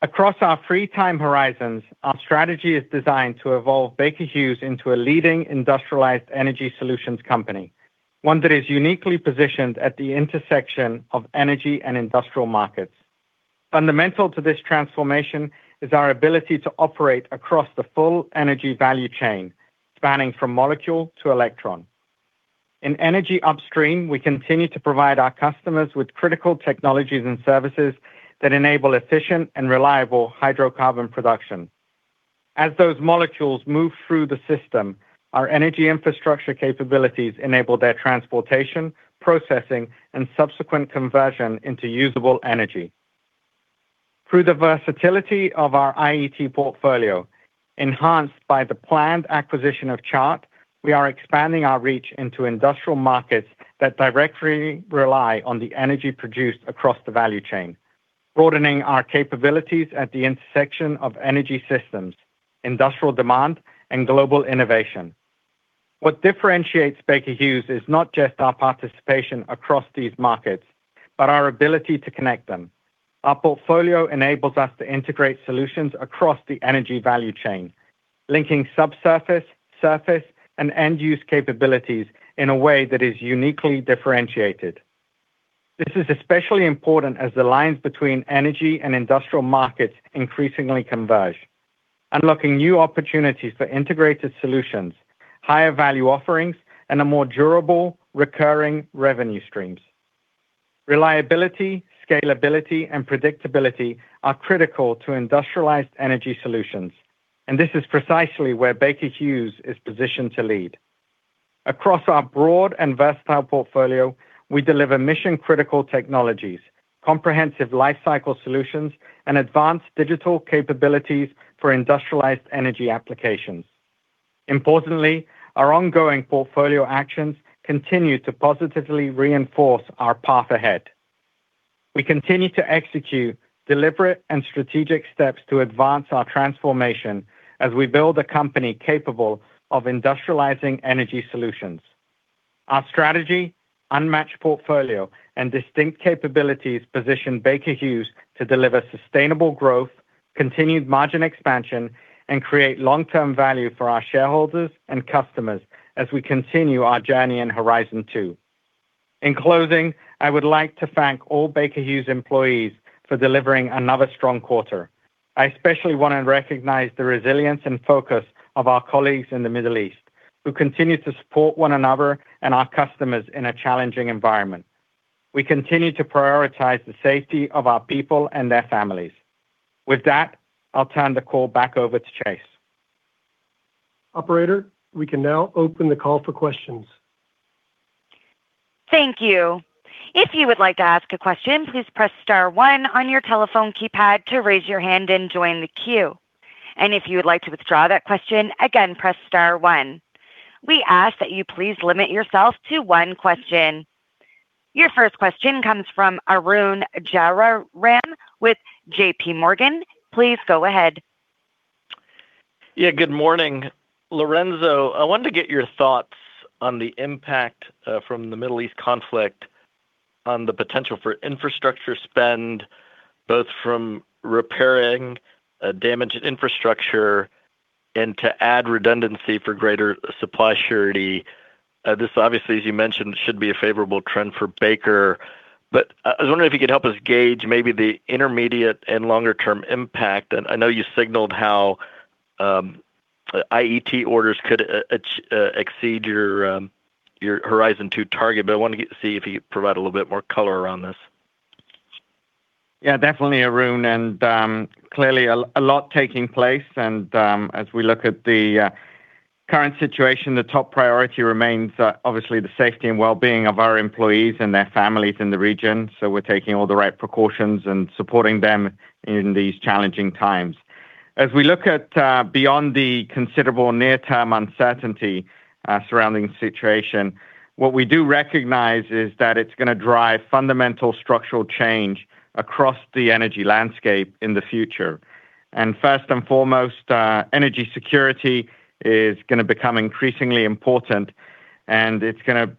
Across our three time horizons, our strategy is designed to evolve Baker Hughes into a leading industrialized energy solutions company, one that is uniquely positioned at the intersection of energy and industrial markets. Fundamental to this transformation is our ability to operate across the full energy value chain, spanning from molecule to electron. In Energy Upstream, we continue to provide our customers with critical technologies and services that enable efficient and reliable hydrocarbon production. As those molecules move through the system, our energy infrastructure capabilities enable their transportation, processing, and subsequent conversion into usable energy. Through the versatility of our IET portfolio, enhanced by the planned acquisition of Chart, we are expanding our reach into industrial markets that directly rely on the energy produced across the value chain, broadening our capabilities at the intersection of energy systems, industrial demand, and global innovation. What differentiates Baker Hughes is not just our participation across these markets, but our ability to connect them. Our portfolio enables us to integrate solutions across the energy value chain, linking subsurface, surface, and end-use capabilities in a way that is uniquely differentiated. This is especially important as the lines between energy and industrial markets increasingly converge, unlocking new opportunities for integrated solutions, higher value offerings, and a more durable, recurring revenue streams. Reliability, scalability, and predictability are critical to industrialized energy solutions, and this is precisely where Baker Hughes is positioned to lead. Across our broad and versatile portfolio, we deliver mission-critical technologies, comprehensive lifecycle solutions, and advanced digital capabilities for industrialized energy applications. Importantly, our ongoing portfolio actions continue to positively reinforce our path ahead. We continue to execute deliberate and strategic steps to advance our transformation as we build a company capable of industrializing energy solutions. Our strategy, unmatched portfolio, and distinct capabilities position Baker Hughes to deliver sustainable growth, continued margin expansion, and create long-term value for our shareholders and customers as we continue our journey in Horizon 2. In closing, I would like to thank all Baker Hughes employees for delivering another strong quarter. I especially want to recognize the resilience and focus of our colleagues in the Middle East, who continue to support one another and our customers in a challenging environment. We continue to prioritize the safety of our people and their families. With that, I'll turn the call back over to Chase. Operator, we can now open the call for questions. Thank you. If you would like to ask a question, please press star one on your telephone keypad to raise your hand and join the queue. If you would like to withdraw that question, again, press star one. We ask that you please limit yourself to one question. Your first question comes from Arun Jayaram with JPMorgan. Please go ahead. Yeah. Good morning. Lorenzo, I wanted to get your thoughts on the impact from the Middle East conflict on the potential for infrastructure spend, both from repairing damaged infrastructure and to add redundancy for greater supply surety. This obviously, as you mentioned, should be a favorable trend for Baker, but I was wondering if you could help us gauge maybe the intermediate and longer-term impact. I know you signaled how IET orders could exceed your Horizon 2 target, but I wanted to see if you could provide a little bit more color around this. Yeah, definitely, Arun, and clearly a lot taking place. As we look at the current situation, the top priority remains obviously the safety and well-being of our employees and their families in the region. We're taking all the right precautions and supporting them in these challenging times. As we look at beyond the considerable near-term uncertainty surrounding the situation, what we do recognize is that it's going to drive fundamental structural change across the energy landscape in the future. First and foremost, energy security is going to become increasingly important, and it's going to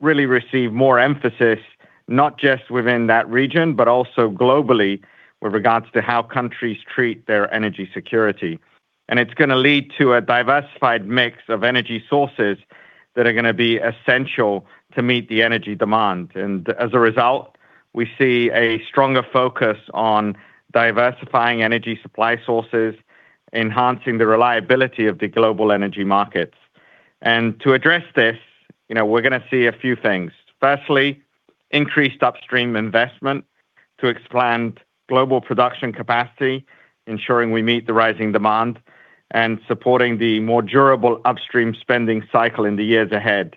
really receive more emphasis, not just within that region, but also globally with regards to how countries treat their energy security. It's going to lead to a diversified mix of energy sources that are going to be essential to meet the energy demand. As a result, we see a stronger focus on diversifying energy supply sources, enhancing the reliability of the global energy markets. To address this, we're going to see a few things. Firstly, increased upstream investment to expand global production capacity, ensuring we meet the rising demand, and supporting the more durable upstream spending cycle in the years ahead.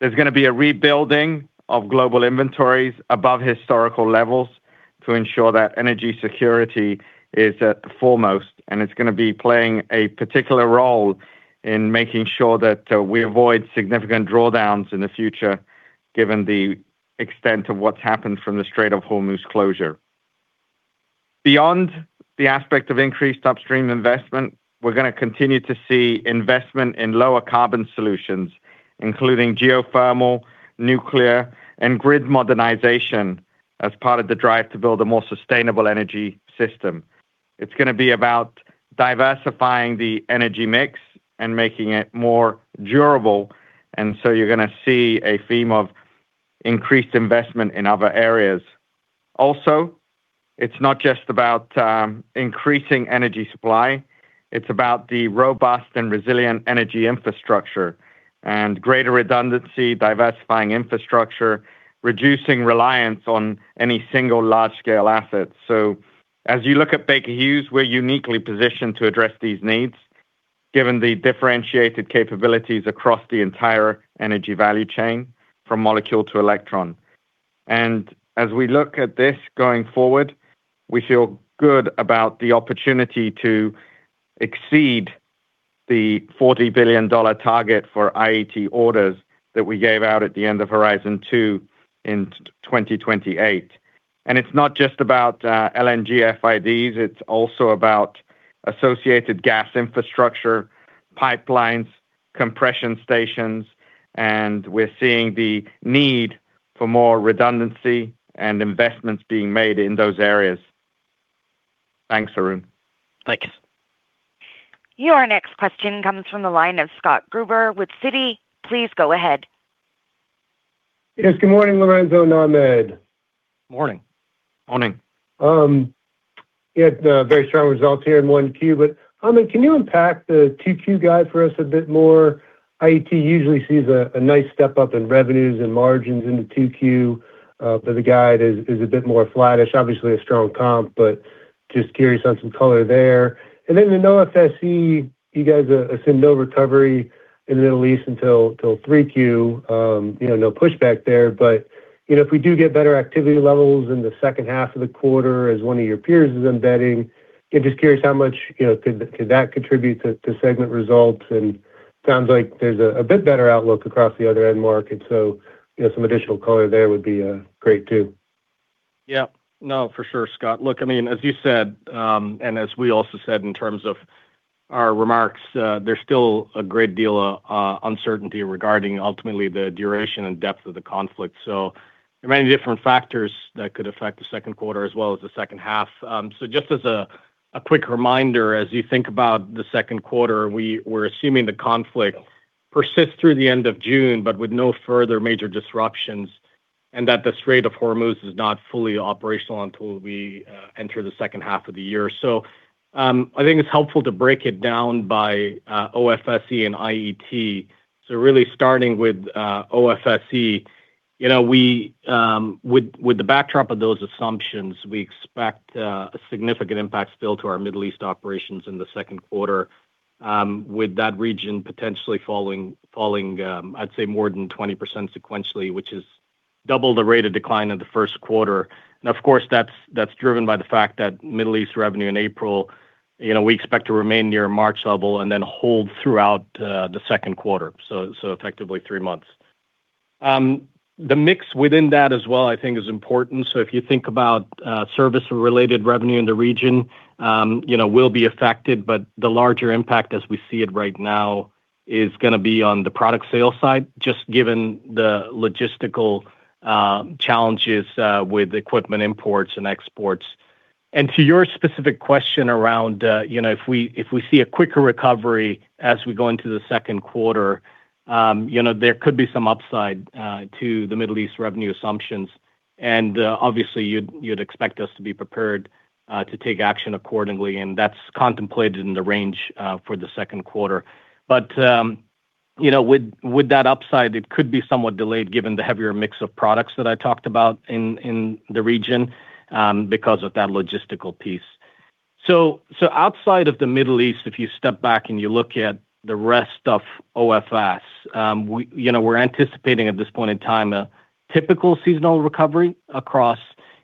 There's going to be a rebuilding of global inventories above historical levels to ensure that energy security is at the foremost, and it's going to be playing a particular role in making sure that we avoid significant drawdowns in the future given the extent of what's happened from the Strait of Hormuz closure. Beyond the aspect of increased upstream investment, we're going to continue to see investment in lower carbon solutions, including geothermal, nuclear, and grid modernization as part of the drive to build a more sustainable energy system. It's going to be about diversifying the energy mix and making it more durable. You're going to see a theme of increased investment in other areas. Also, it's not just about increasing energy supply. It's about the robust and resilient energy infrastructure and greater redundancy, diversifying infrastructure, reducing reliance on any single large-scale asset. As you look at Baker Hughes, we're uniquely positioned to address these needs, given the differentiated capabilities across the entire energy value chain from molecule to electron. As we look at this going forward, we feel good about the opportunity to exceed the $40 billion target for IET orders that we gave out at the end of Horizon 2 in 2028. It's not just about LNG FIDs, it's also about associated gas infrastructure, pipelines, compression stations, and we're seeing the need for more redundancy and investments being made in those areas. Thanks, Arun. Thank you. Your next question comes from the line of Scott Gruber with Citi. Please go ahead. Yes, good morning, Lorenzo and Ahmed. Morning. Morning. Yeah, very strong results here in 1Q, but Ahmed, can you unpack the 2Q guide for us a bit more? IET usually sees a nice step-up in revenues and margins into 2Q, but the guide is a bit more flattish. Obviously a strong comp, but just curious on some color there. In OFSE, you guys assumed no recovery in the Middle East until 3Q. No pushback there, but if we do get better activity levels in the second half of the quarter as one of your peers is embedding, just curious how much could that contribute to segment results? Sounds like there's a bit better outlook across the other end market, so some additional color there would be great too. Yeah. No, for sure, Scott. Look, as you said, and as we also said in terms of our remarks, there's still a great deal of uncertainty regarding ultimately the duration and depth of the conflict. There are many different factors that could affect the second quarter as well as the second half. Just as a quick reminder, as you think about the second quarter, we're assuming the conflict persists through the end of June, but with no further major disruptions, and that the Strait of Hormuz is not fully operational until we enter the second half of the year. I think it's helpful to break it down by OFSE and IET. Really starting with OFSE, with the backdrop of those assumptions, we expect significant impacts still to our Middle East operations in the second quarter with that region potentially falling, I'd say, more than 20% sequentially, which is double the rate of decline in the first quarter. Now, of course, that's driven by the fact that Middle East revenue in April, we expect to remain near March level and then hold throughout the second quarter, so effectively three months. The mix within that as well, I think, is important. If you think about service-related revenue in the region will be affected, but the larger impact as we see it right now is going to be on the product sales side, just given the logistical challenges with equipment imports and exports. To your specific question around if we see a quicker recovery as we go into the second quarter, there could be some upside to the Middle East revenue assumptions. Obviously you'd expect us to be prepared to take action accordingly, and that's contemplated in the range for the second quarter. With that upside, it could be somewhat delayed given the heavier mix of products that I talked about in the region because of that logistical piece. Outside of the Middle East, if you step back and you look at the rest of OFS, we're anticipating at this point in time a typical seasonal recovery across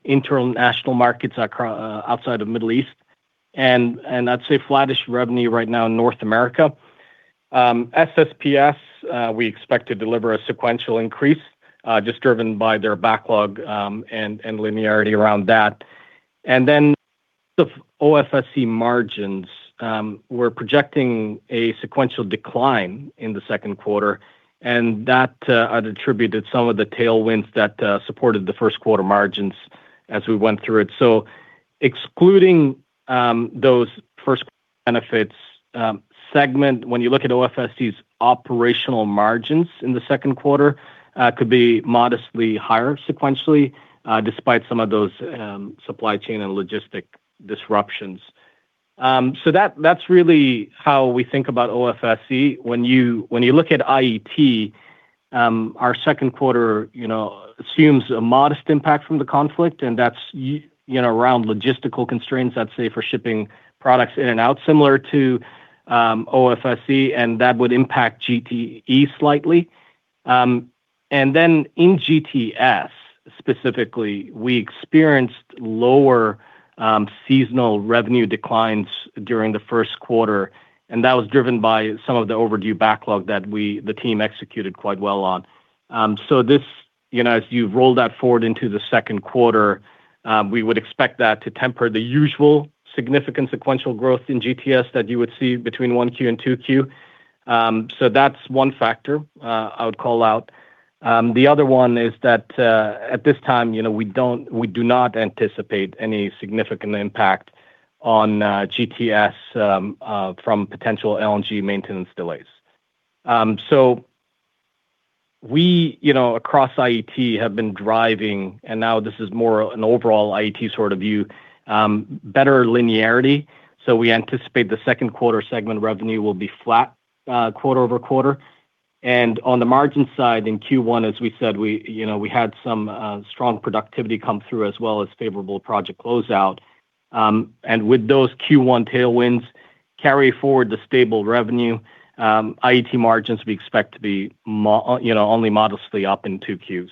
international markets outside of Middle East, and I'd say flattish revenue right now in North America. SSPS, we expect to deliver a sequential increase just driven by their backlog and linearity around that. The OFSE margins, we're projecting a sequential decline in the second quarter, and that I'd attribute to some of the tailwinds that supported the first quarter margins as we went through it. Excluding those first benefits in the segment, when you look at OFSE's operational margins in the second quarter could be modestly higher sequentially despite some of those supply chain and logistics disruptions. That's really how we think about OFSE. When you look at IET, our second quarter assumes a modest impact from the conflict, and that's around logistical constraints, I'd say, for shipping products in and out, similar to OFSE, and that would impact GTE slightly. In GTS specifically, we experienced lower seasonal revenue declines during the first quarter, and that was driven by some of the overdue backlog that the team executed quite well on. As you roll that forward into the second quarter, we would expect that to temper the usual significant sequential growth in GTS that you would see between 1Q and 2Q. That's one factor I would call out. The other one is that at this time, we do not anticipate any significant impact on GTS from potential LNG maintenance delays. We, across IET, have been driving, and now this is more an overall IET sort of view, better linearity. We anticipate the second quarter segment revenue will be flat quarter-over-quarter. On the margin side in Q1, as we said, we had some strong productivity come through as well as favorable project closeout. With those Q1 tailwinds carry forward the stable revenue, IET margins we expect to be only modestly up in Q2.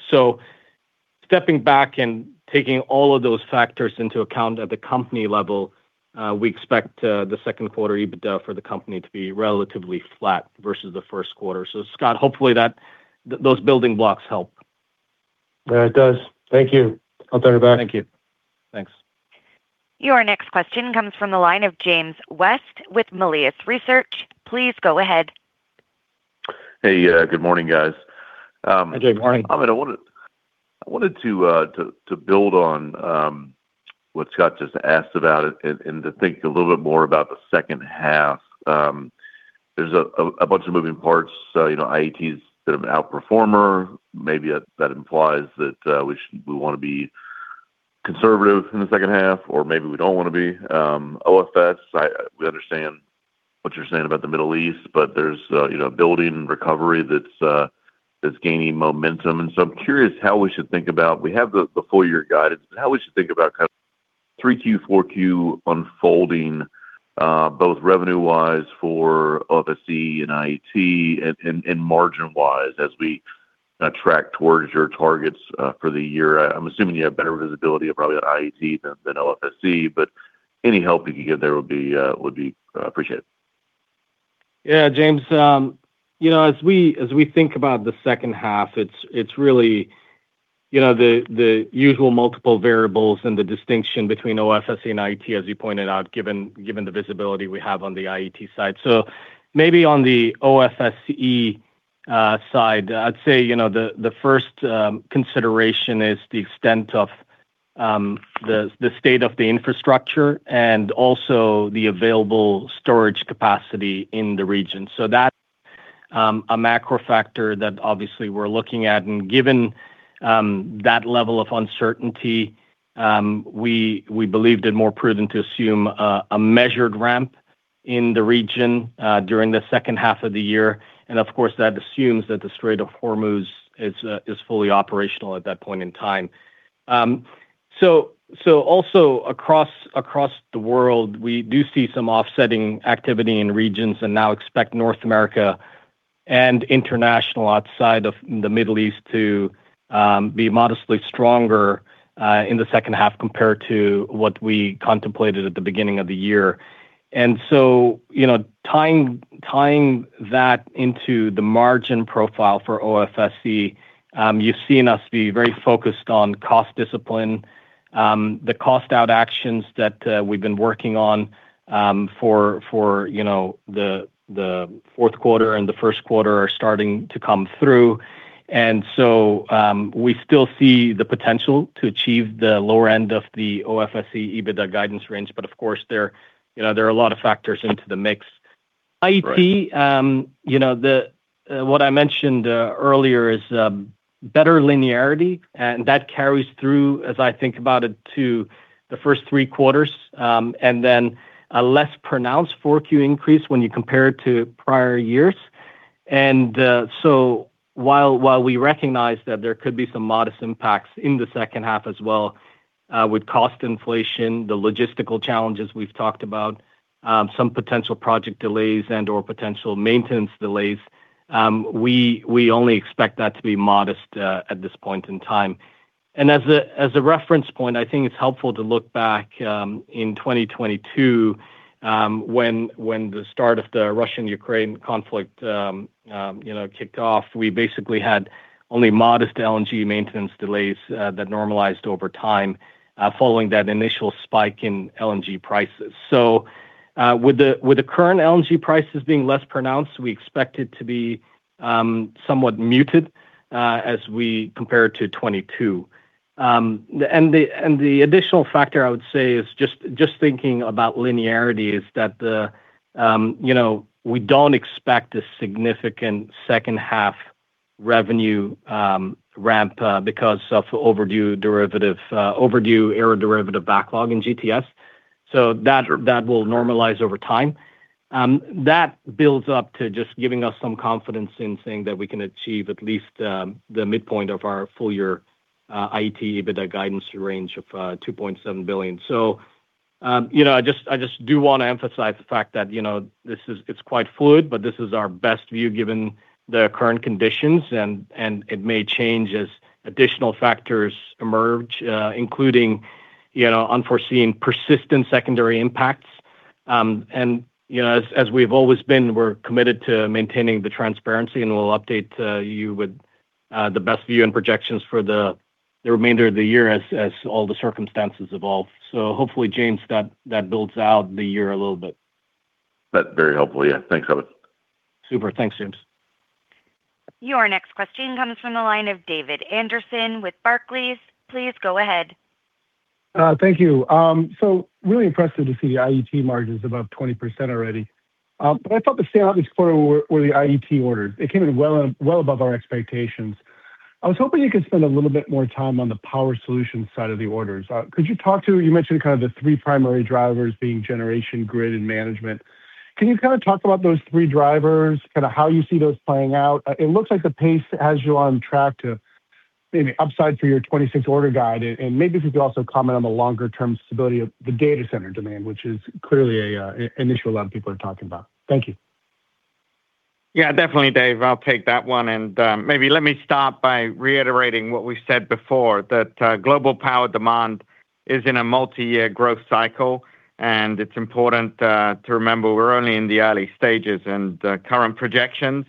Stepping back and taking all of those factors into account at the company level, we expect the second quarter EBITDA for the company to be relatively flat versus the first quarter. Scott, hopefully those building blocks help. Yeah, it does. Thank you. I'll turn it back in the queue. Thanks. Your next question comes from the line of James West with Melius Research. Please go ahead. Hey, good morning, guys. Hey, James. Good morning. Ahmed, I wanted to build on what Scott just asked about it and to think a little bit more about the second half. There's a bunch of moving parts. IET's been an outperformer. Maybe that implies that we want to be conservative in the second half, or maybe we don't want to be. OFS, we understand what you're saying about the Middle East, but there's a building recovery that's gaining momentum, and so I'm curious. We have the full year guidance, but how we should think about kind of 3Q, 4Q unfolding both revenue-wise for OFSE and IET and margin-wise as we track towards your targets for the year. I'm assuming you have better visibility of probably IET than OFSE, but any help you can give there would be appreciated. Yeah, James. As we think about the second half, it's really the usual multiple variables and the distinction between OFSE and IET, as you pointed out, given the visibility we have on the IET side. Maybe on the OFSE side, I'd say, the first consideration is the extent of the state of the infrastructure and also the available storage capacity in the region. That's a macro factor that obviously we're looking at. Given that level of uncertainty, we believed it more prudent to assume a measured ramp in the region during the second half of the year, and of course, that assumes that the Strait of Hormuz is fully operational at that point in time. Also across the world, we do see some offsetting activity in regions and now expect North America and international outside of the Middle East to be modestly stronger in the second half compared to what we contemplated at the beginning of the year. Tying that into the margin profile for OFSE, you've seen us be very focused on cost discipline. The cost-out actions that we've been working on for the fourth quarter and the first quarter are starting to come through. We still see the potential to achieve the lower end of the OFSE EBITDA guidance range. Of course, there are a lot of factors into the mix. Right. IET, what I mentioned earlier is better linearity, and that carries through, as I think about it, to the first three quarters, and then a less pronounced 4Q increase when you compare it to prior years. While we recognize that there could be some modest impacts in the second half as well with cost inflation, the logistical challenges we've talked about, some potential project delays and/or potential maintenance delays, we only expect that to be modest at this point in time. As a reference point, I think it's helpful to look back in 2022, when the start of the Russian-Ukrainian conflict kicked off. We basically had only modest LNG maintenance delays that normalized over time following that initial spike in LNG prices. With the current LNG prices being less pronounced, we expect it to be somewhat muted as we compare it to 2022. The additional factor I would say is just thinking about linearity is that we don't expect a significant second half revenue ramp because of overdue aeroderivative backlog in GTS. That will normalize over time. That builds up to just giving us some confidence in saying that we can achieve at least the midpoint of our full-year IET EBITDA guidance range of $2.7 billion. I just do want to emphasize the fact that it's quite fluid, but this is our best view given the current conditions, and it may change as additional factors emerge, including unforeseen persistent secondary impacts. As we've always been, we're committed to maintaining the transparency, and we'll update you with the best view and projections for the remainder of the year as all the circumstances evolve. Hopefully, James, that builds out the year a little bit. That's very helpful. Yeah. Thanks, Ahmed. Super. Thanks, James. Your next question comes from the line of David Anderson with Barclays. Please go ahead. Thank you. Really impressive to see the IET margins above 20% already. I thought the standout this quarter were the IET orders. It came in well above our expectations. I was hoping you could spend a little bit more time on the power solutions side of the orders. Could you talk to, you mentioned kind of the three primary drivers being generation, grid, and management. Can you kind of talk about those three drivers, kind of how you see those playing out? It looks like the pace has you on track to maybe upside for your 2026 order guide. Maybe if you could also comment on the longer-term stability of the data center demand, which is clearly an issue a lot of people are talking about. Thank you. Yeah, definitely, David. I'll take that one, and maybe let me start by reiterating what we said before, that global power demand is in a multi-year growth cycle, and it's important to remember we're only in the early stages. The current projections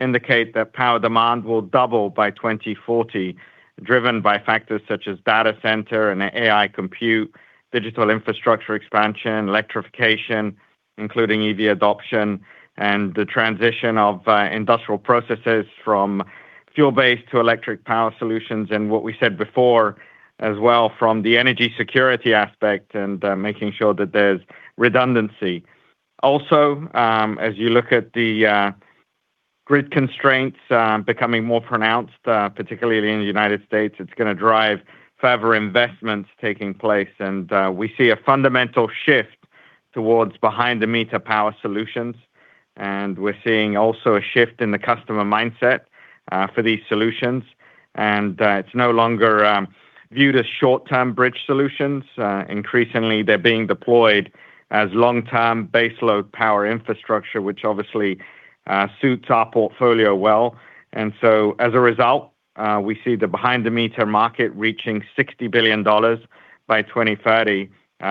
indicate that power demand will double by 2040, driven by factors such as data center and AI compute, digital infrastructure expansion, electrification, including EV adoption, and the transition of industrial processes from fuel-based to electric power solutions. What we said before as well from the energy security aspect and making sure that there's redundancy. Also, as you look at the grid constraints becoming more pronounced, particularly in the United States, it's going to drive further investments taking place. We see a fundamental shift towards behind-the-meter power solutions, and we're seeing also a shift in the customer mindset for these solutions. It's no longer viewed as short-term bridge solutions. Increasingly, they're being deployed as long-term baseload power infrastructure, which obviously suits our portfolio well. As a result, we see the behind the meter market reaching $60 billion by 2030,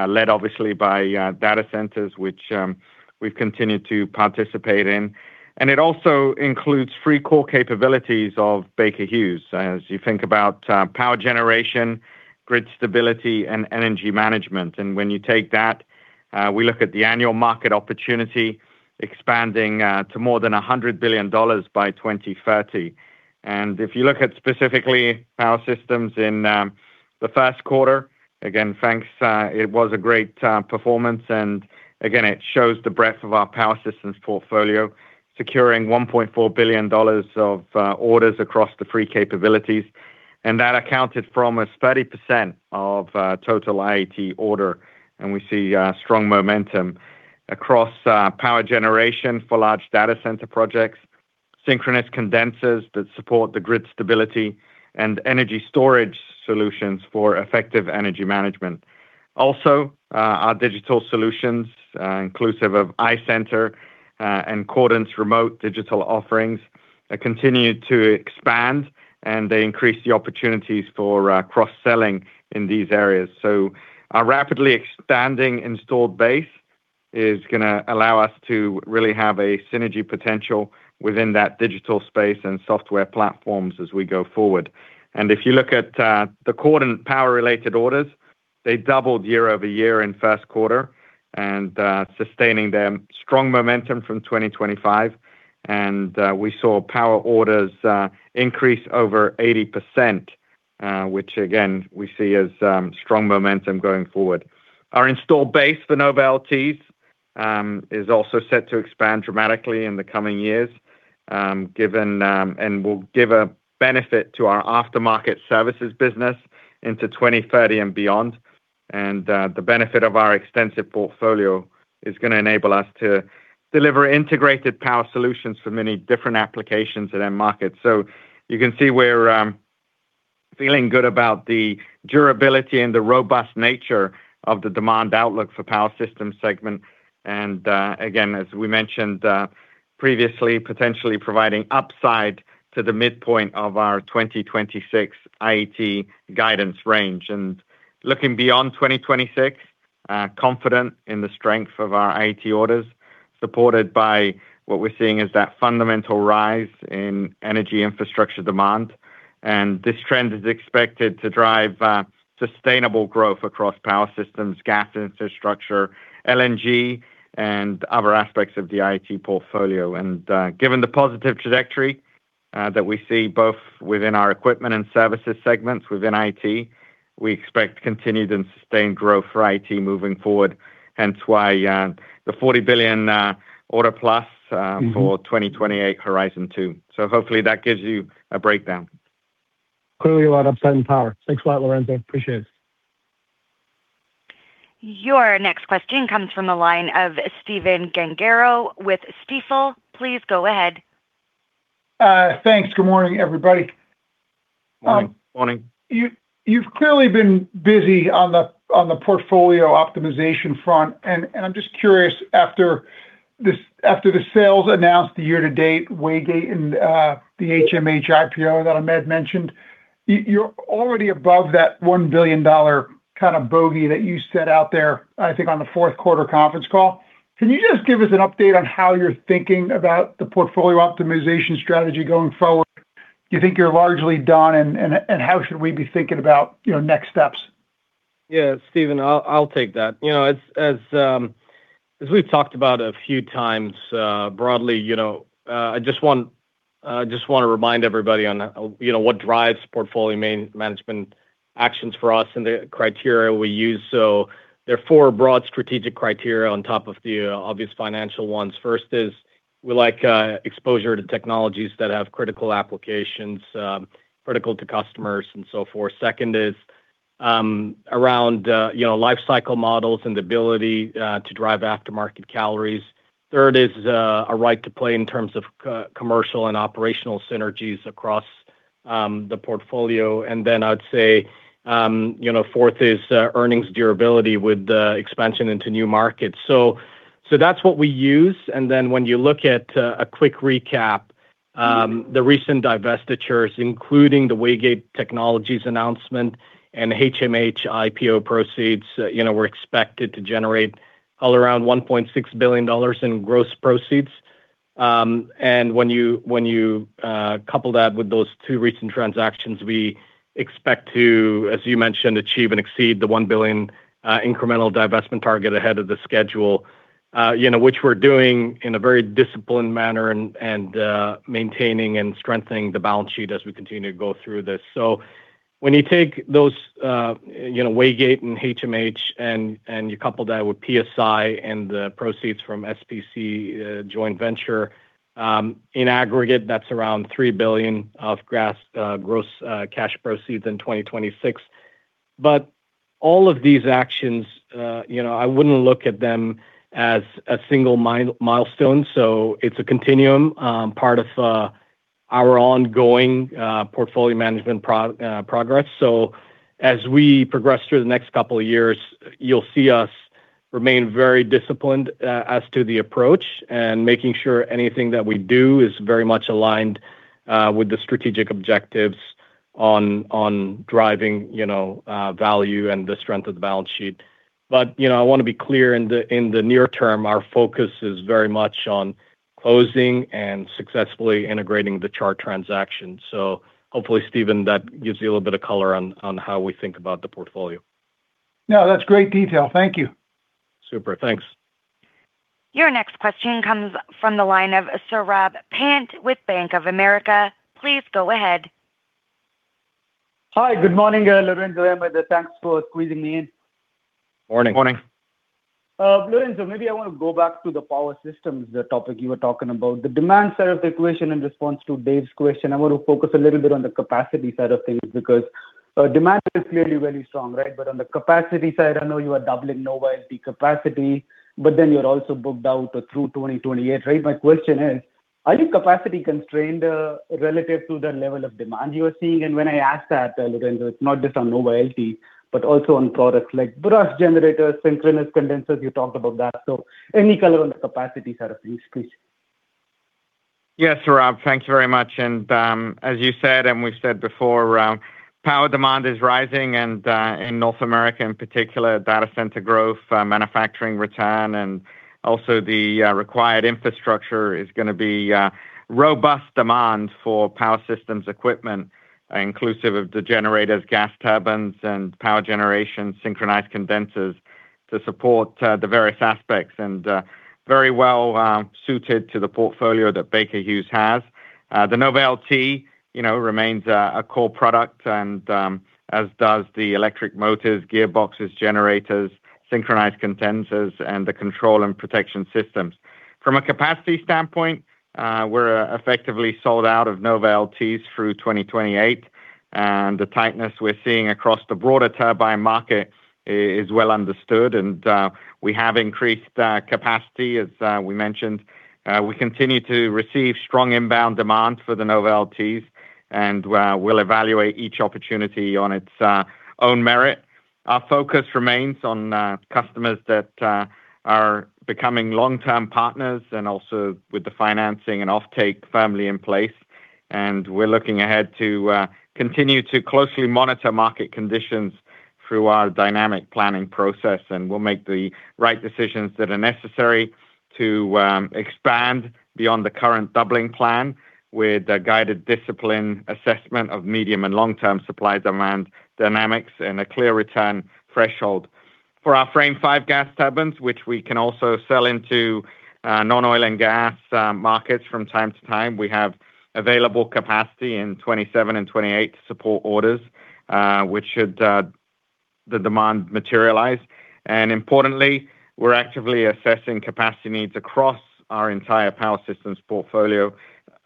led obviously by data centers, which we've continued to participate in. It also includes three core capabilities of Baker Hughes, as you think about power generation, grid stability, and energy management. When you take that, we look at the annual market opportunity expanding to more than $100 billion by 2030. If you look at specifically Power Systems in the first quarter, again, thanks, it was a great performance. Again, it shows the breadth of our Power Systems portfolio, securing $1.4 billion of orders across the three capabilities. That accounted for almost 30% of total IET order. We see strong momentum across power generation for large data center projects, synchronous condensers that support the grid stability, and energy storage solutions for effective energy management. Our digital solutions, inclusive of iCenter and Cordant's remote digital offerings, continue to expand, and they increase the opportunities for cross-selling in these areas. Our rapidly expanding installed base is going to allow us to really have a synergy potential within that digital space and software platforms as we go forward. If you look at the Cordant power-related orders, they doubled year-over-year in first quarter and sustaining strong momentum from 2025. We saw power orders increase over 80%, which again, we see as strong momentum going forward. Our installed base for NovaLTs is also set to expand dramatically in the coming years and will give a benefit to our aftermarket services business into 2030 and beyond. The benefit of our extensive portfolio is going to enable us to deliver integrated power solutions for many different applications in our market. You can see we're feeling good about the durability and the robust nature of the demand outlook for Power Systems segment, again, as we mentioned previously, potentially providing upside to the midpoint of our 2026 IET guidance range. Looking beyond 2026, we are confident in the strength of our IET orders, supported by what we're seeing is that fundamental rise in energy infrastructure demand. This trend is expected to drive sustainable growth across Power Systems, Gas Infrastructure, LNG, and other aspects of the IET portfolio. Given the positive trajectory that we see both within our equipment and services segments within IET, we expect continued and sustained growth for IET moving forward, hence why the $40 billion order plus for 2028 Horizon 2. Hopefully that gives you a breakdown. Clearly a lot of upside in power. Thanks a lot, Lorenzo. Appreciate it. Your next question comes from the line of Stephen Gengaro with Stifel. Please go ahead. Thanks. Good morning, everybody. Morning. You've clearly been busy on the portfolio optimization front, and I'm just curious, after the sales announced year-to-date, Waygate and the HMH IPO that Ahmed mentioned, you're already above that $1 billion kind of bogey that you set out there, I think on the fourth quarter conference call. Can you just give us an update on how you're thinking about the portfolio optimization strategy going forward? Do you think you're largely done, and how should we be thinking about next steps? Yeah, Stephen, I'll take that. As we've talked about a few times broadly, I just want to remind everybody on what drives portfolio management actions for us and the criteria we use. There are four broad strategic criteria on top of the obvious financial ones. First is we like exposure to technologies that have critical applications, critical to customers and so forth. Second is around life cycle models and the ability to drive aftermarket calories. Third is a right to play in terms of commercial and operational synergies across the portfolio. I'd say fourth is earnings durability with expansion into new markets. That's what we use. When you look at a quick recap, the recent divestitures, including the Waygate Technologies announcement and HMH IPO proceeds, were expected to generate around $1.6 billion in gross proceeds. When you couple that with those two recent transactions, we expect to, as you mentioned, achieve and exceed the $1 billion incremental divestment target ahead of the schedule, which we're doing in a very disciplined manner and maintaining and strengthening the balance sheet as we continue to go through this. When you take those Waygate and HMH and you couple that with PSI and the proceeds from SPC joint venture, in aggregate, that's around $3 billion of gross cash proceeds in 2026. All of these actions, I wouldn't look at them as a single milestone. It's a continuum, part of our ongoing portfolio management progress. As we progress through the next couple of years, you'll see us remain very disciplined as to the approach and making sure anything that we do is very much aligned with the strategic objectives on driving value and the strength of the balance sheet. I want to be clear, in the near term, our focus is very much on closing and successfully integrating the Chart transaction. hopefully, Stephen, that gives you a little bit of color on how we think about the portfolio. No, that's great detail. Thank you. Super. Thanks. Your next question comes from the line of Saurabh Pant with Bank of America. Please go ahead. Hi. Good morning, Lorenzo, Ahmed. Thanks for squeezing me in. Morning. Morning. Lorenzo, maybe I want to go back to the Power Systems topic you were talking about. The demand side of the equation in response to Dave's question, I want to focus a little bit on the capacity side of things because demand is clearly very strong, right? On the capacity side, I know you are doubling NovaLT capacity, but then you're also booked out through 2028, right? My question is, are you capacity constrained relative to the level of demand you are seeing? When I ask that, Lorenzo, it's not just on NovaLT, but also on products like BRUSH generators, synchronous condensers, you talked about that. Any color on the capacity side of things, please? Yes, Saurabh, thank you very much. As you said and we've said before, power demand is rising and in North America, in particular, data center growth, manufacturing return, and also the required infrastructure is going to be a robust demand for Power Systems equipment, inclusive of the generators, gas turbines, and power generation synchronous condensers to support the various aspects, and very well-suited to the portfolio that Baker Hughes has. The NovaLT remains a core product and as does the electric motors, gearboxes, generators, synchronous condensers, and the control and protection systems. From a capacity standpoint, we're effectively sold out of NovaLTs through 2028, and the tightness we're seeing across the broader turbine market is well understood. We have increased capacity, as we mentioned. We continue to receive strong inbound demand for the NovaLTs, and we'll evaluate each opportunity on its own merit. Our focus remains on customers that are becoming long-term partners and also with the financing and offtake firmly in place. We're looking ahead to continue to closely monitor market conditions through our dynamic planning process, and we'll make the right decisions that are necessary to expand beyond the current doubling plan with a guided discipline assessment of medium and long-term supply demand dynamics and a clear return threshold. For our Frame 5 gas turbines, which we can also sell into non-oil and gas markets from time to time, we have available capacity in 2027 and 2028 to support orders, which should the demand materialize. Importantly, we're actively assessing capacity needs across our entire Power Systems portfolio,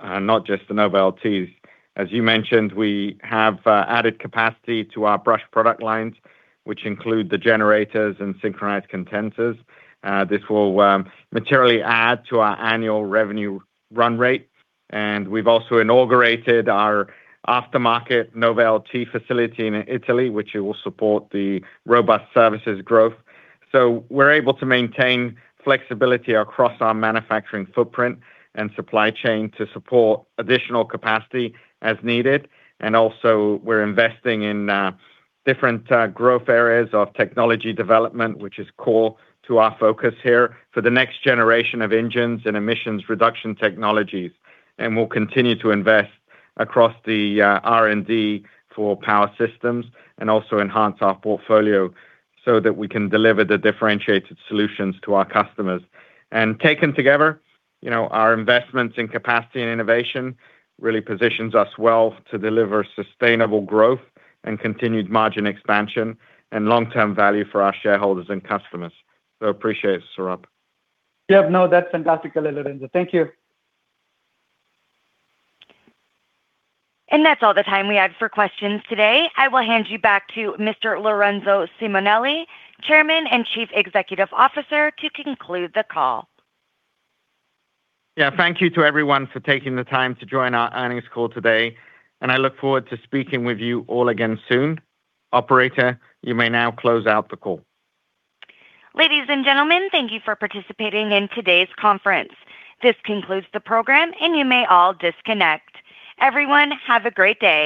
not just the NovaLTs. As you mentioned, we have added capacity to our BRUSH product lines, which include the generators and synchronous condensers. This will materially add to our annual revenue run rate. We've also inaugurated our aftermarket NovaLT facility in Italy, which it will support the robust services growth. We're able to maintain flexibility across our manufacturing footprint and supply chain to support additional capacity as needed. Also we're investing in different growth areas of technology development, which is core to our focus here for the next generation of engines and emissions reduction technologies. We'll continue to invest across the R&D for Power Systems and also enhance our portfolio so that we can deliver the differentiated solutions to our customers. Taken together, our investments in capacity and innovation really positions us well to deliver sustainable growth and continued margin expansion and long-term value for our shareholders and customers. Appreciate it, Saurabh. Yeah. No, that's fantastic, Lorenzo. Thank you. That's all the time we have for questions today. I will hand you back to Mr. Lorenzo Simonelli, Chairman and Chief Executive Officer, to conclude the call. Yeah. Thank you to everyone for taking the time to join our earnings call today, and I look forward to speaking with you all again soon. Operator, you may now close out the call. Ladies and gentlemen, thank you for participating in today's conference. This concludes the program, and you may all disconnect. Everyone, have a great day.